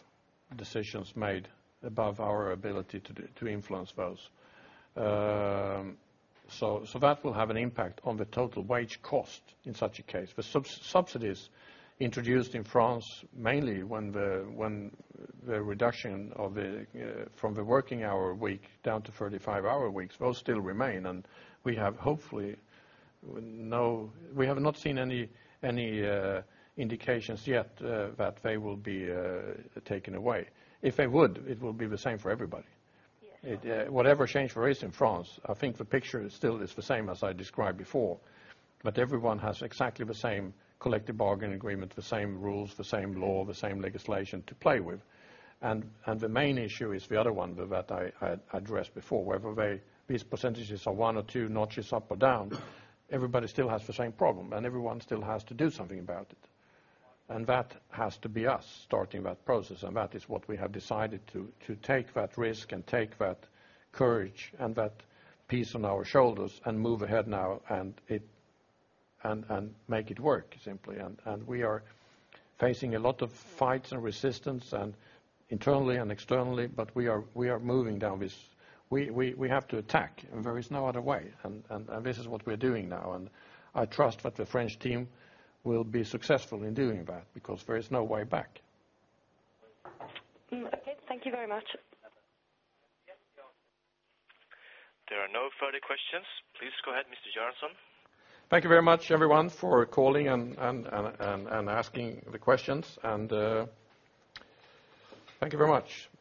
decisions made above our ability to influence those, so that will have an impact on the total wage cost in such a case. The subsidies introduced in France, mainly when the reduction from the working hour week down to 35-hour weeks, those still remain, and we have hopefully no, we have not seen any indications yet that they will be taken away. If they would, it will be the same for everybody. Whatever change there is in France, I think the picture still is the same as I described before, but everyone has exactly the same collective bargaining agreement, the same rules, the same law, the same legislation to play with, and the main issue is the other one that I addressed before. Whether these percentages are one or two notches up or down, everybody still has the same problem, and everyone still has to do something about it, and that has to be us starting that process, and that is what we have decided to take that risk and take that courage and that peace on our shoulders and move ahead now and make it work, simply, and we are facing a lot of fights and resistance internally and externally, but we are moving down this. We have to attack, and there is no other way, and this is what we are doing now, and I trust that the French team will be successful in doing that because there is no way back. Okay. Thank you very much. There are no further questions. Please go ahead, Mr. Göransson. Thank you very much, everyone, for calling and asking the questions, and thank you very much. Goodbye.